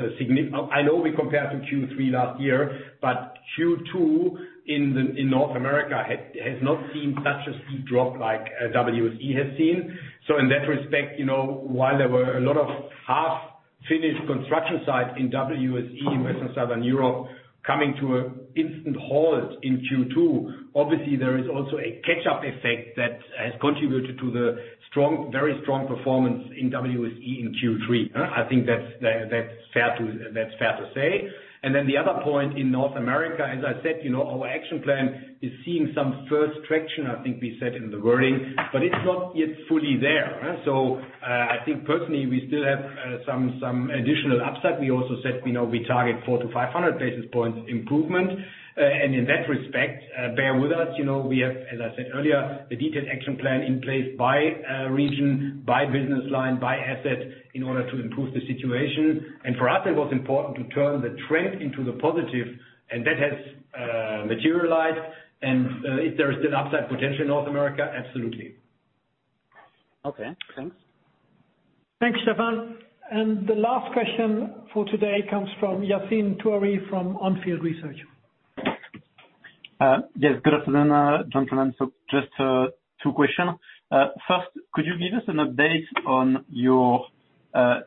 I know we compare to Q3 last year, but Q2 in North America has not seen such a steep drop like WSE has seen. In that respect, while there were a lot of half-finished construction sites in WSE, West and Southern Europe, coming to an instant halt in Q2, obviously there is also a catch-up effect that has contributed to the very strong performance in WSE in Q3. That's fair to say. The other point in North America, as I said, our action plan is seeing some first traction, we said in the wording, but it's not yet fully there. I think personally, we still have some additional upside. We also said we target 400-500 basis points improvement. In that respect, bear with us. We have, as I said earlier, the detailed action plan in place by region, by business line, by asset, in order to improve the situation. For us, it was important to turn the trend into the positive, and that has materialized, and if there is still upside potential in North America, absolutely. Okay. Thanks. Thanks, Stephan. The last question for today comes from Yassine Touahri from On Field Research. Yes. Good afternoon, gentlemen. Just two question. First, could you give us an update on your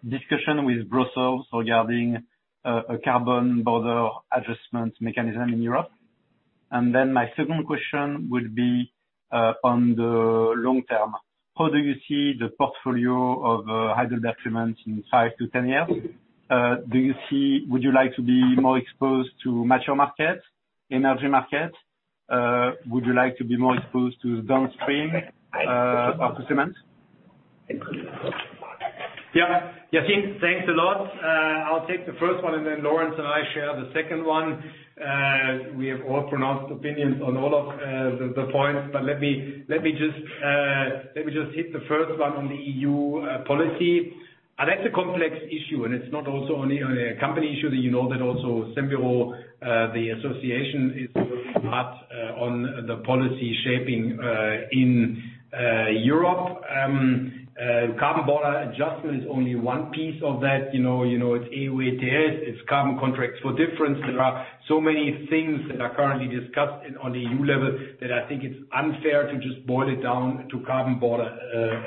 discussion with Brussels regarding a Carbon Border Adjustment Mechanism in Europe? My second question would be, on the long term, how do you see the portfolio of HeidelbergCement in 5-10 years? Would you like to be more exposed to mature markets, energy markets? Would you like to be more exposed to downstream cements? Yeah. Yassine, thanks a lot. I'll take the first one, and then Lorenz and I share the second one. We have all pronounced opinions on all of the points, but let me just hit the first one on the EU policy. That's a complex issue, and it's not also only a company issue, that you know that also CEMBUREAU, the association, is working hard on the policy shaping in Europe. Carbon Border Adjustment is only one piece of that. It's EU ETS, it's Carbon Contracts for Difference. There are so many things that are currently discussed on the EU level that I think it's unfair to just boil it down to Carbon Border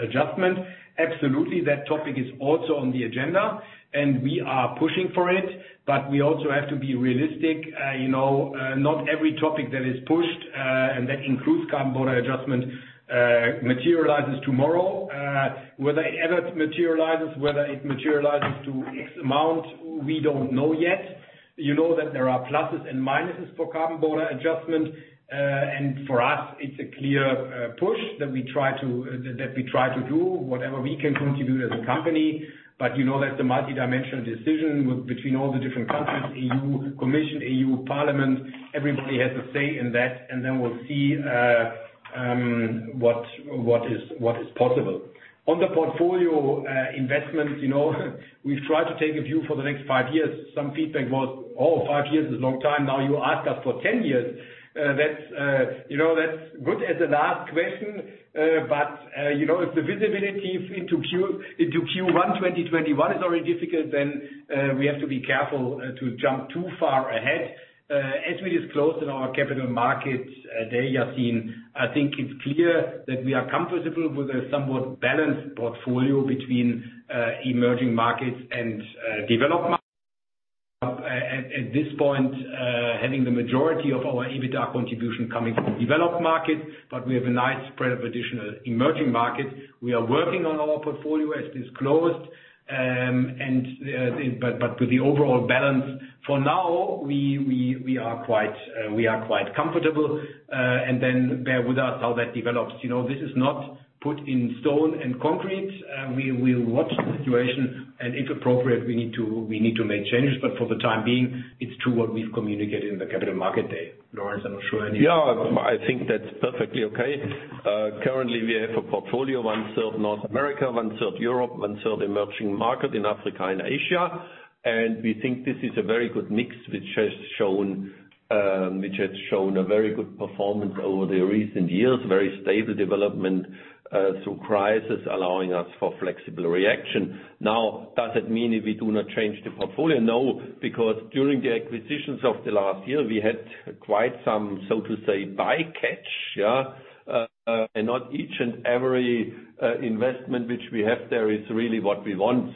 Adjustment. Absolutely, that topic is also on the agenda, and we are pushing for it, but we also have to be realistic. Not every topic that is pushed, and that includes Carbon Border Adjustment, materializes tomorrow. Whether it ever materializes, whether it materializes to X amount, we don't know yet. You know that there are pluses and minuses for Carbon Border Adjustment. For us, it's a clear push that we try to do whatever we can contribute as a company. You know that the multi-dimensional decision between all the different countries, European Commission, European Parliament, everybody has a say in that, then we'll see what is possible. On the portfolio investments, we've tried to take a view for the next five years. Some feedback was, "Oh, five years is a long time." Now you ask us for 10 years. That's good as a last question. If the visibility into Q1 2021 is already difficult, then we have to be careful to jump too far ahead. As we disclosed in our Capital Markets Day, Yassine, I think it's clear that we are comfortable with a somewhat balanced portfolio between emerging markets and developed markets. At this point, having the majority of our EBITDA contribution coming from developed markets, but we have a nice spread of additional emerging markets. We are working on our portfolio, as disclosed. With the overall balance for now, we are quite comfortable. Bear with us how that develops. This is not put in stone and concrete. We will watch the situation, and if appropriate, we need to make changes, but for the time being, it's to what we've communicated in the Capital Markets Day. Lorenz, I'm not sure anything. Yeah, I think that's perfectly okay. Currently we have a portfolio, one-third North America, one-third Europe, one-third emerging market in Africa and Asia. We think this is a very good mix, which has shown a very good performance over the recent years. Very stable development through crisis, allowing us for flexible reaction. Now, does it mean that we do not change the portfolio? No, because during the acquisitions of the last year, we had quite some, so to say, bycatch, yeah. Not each and every investment which we have there is really what we want.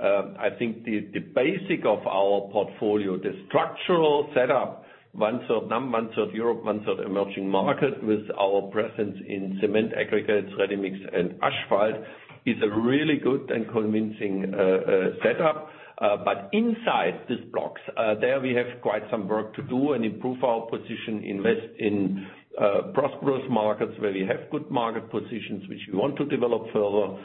I think the basic of our portfolio, the structural setup, one-third NAM, one-third Europe, one-third emerging market with our presence in cement aggregates, ready-mix, and asphalt, is a really good and convincing setup. Inside these blocks, there we have quite some work to do and improve our position, invest in prosperous markets where we have good market positions which we want to develop further,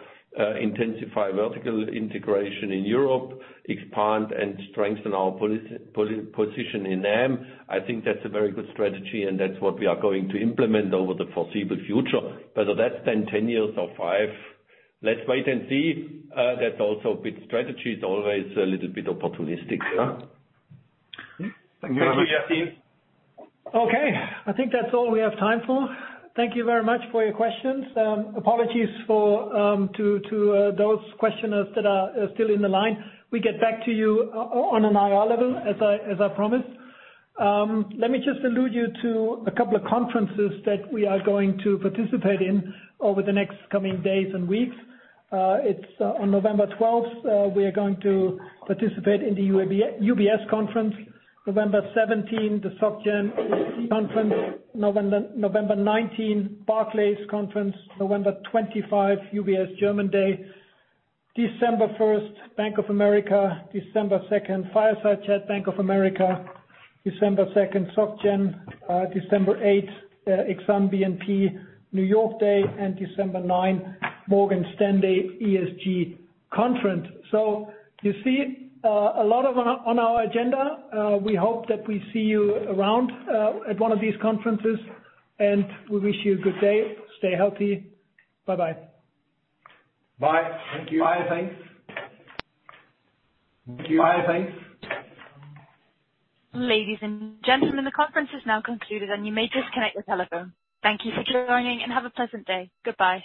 intensify vertical integration in Europe, expand and strengthen our position in NAM. I think that's a very good strategy, and that's what we are going to implement over the foreseeable future, whether that's then 10 years or five, let's wait and see. That also a bit strategy is always a little bit opportunistic. Thank you. Yassine. Okay. I think that's all we have time for. Thank you very much for your questions. Apologies to those questioners that are still in the line. We'll get back to you on an IR level, as I promised. Let me just allude you to a couple of conferences that we are going to participate in over the next coming days and weeks. On November 12th, we are going to participate in the UBS Conference. November 17, the SocGen ESG Conference. November 19, Barclays Conference. November 25, UBS German Day. December 1st, Bank of America. December 2nd, Fireside Chat Bank of America. December 2nd, SocGen. December 8th, Exane BNP New York Day. And December 9, Morgan Stanley ESG Conference. You see a lot on our agenda. We hope that we see you around at one of these conferences, and we wish you a good day. Stay healthy. Bye-bye. Bye. Thank you. Bye. Thanks. Thank you. Bye. Thanks. Ladies and gentlemen, the conference is now concluded, and you may disconnect your telephone. Thank you for joining, and have a pleasant day. Goodbye.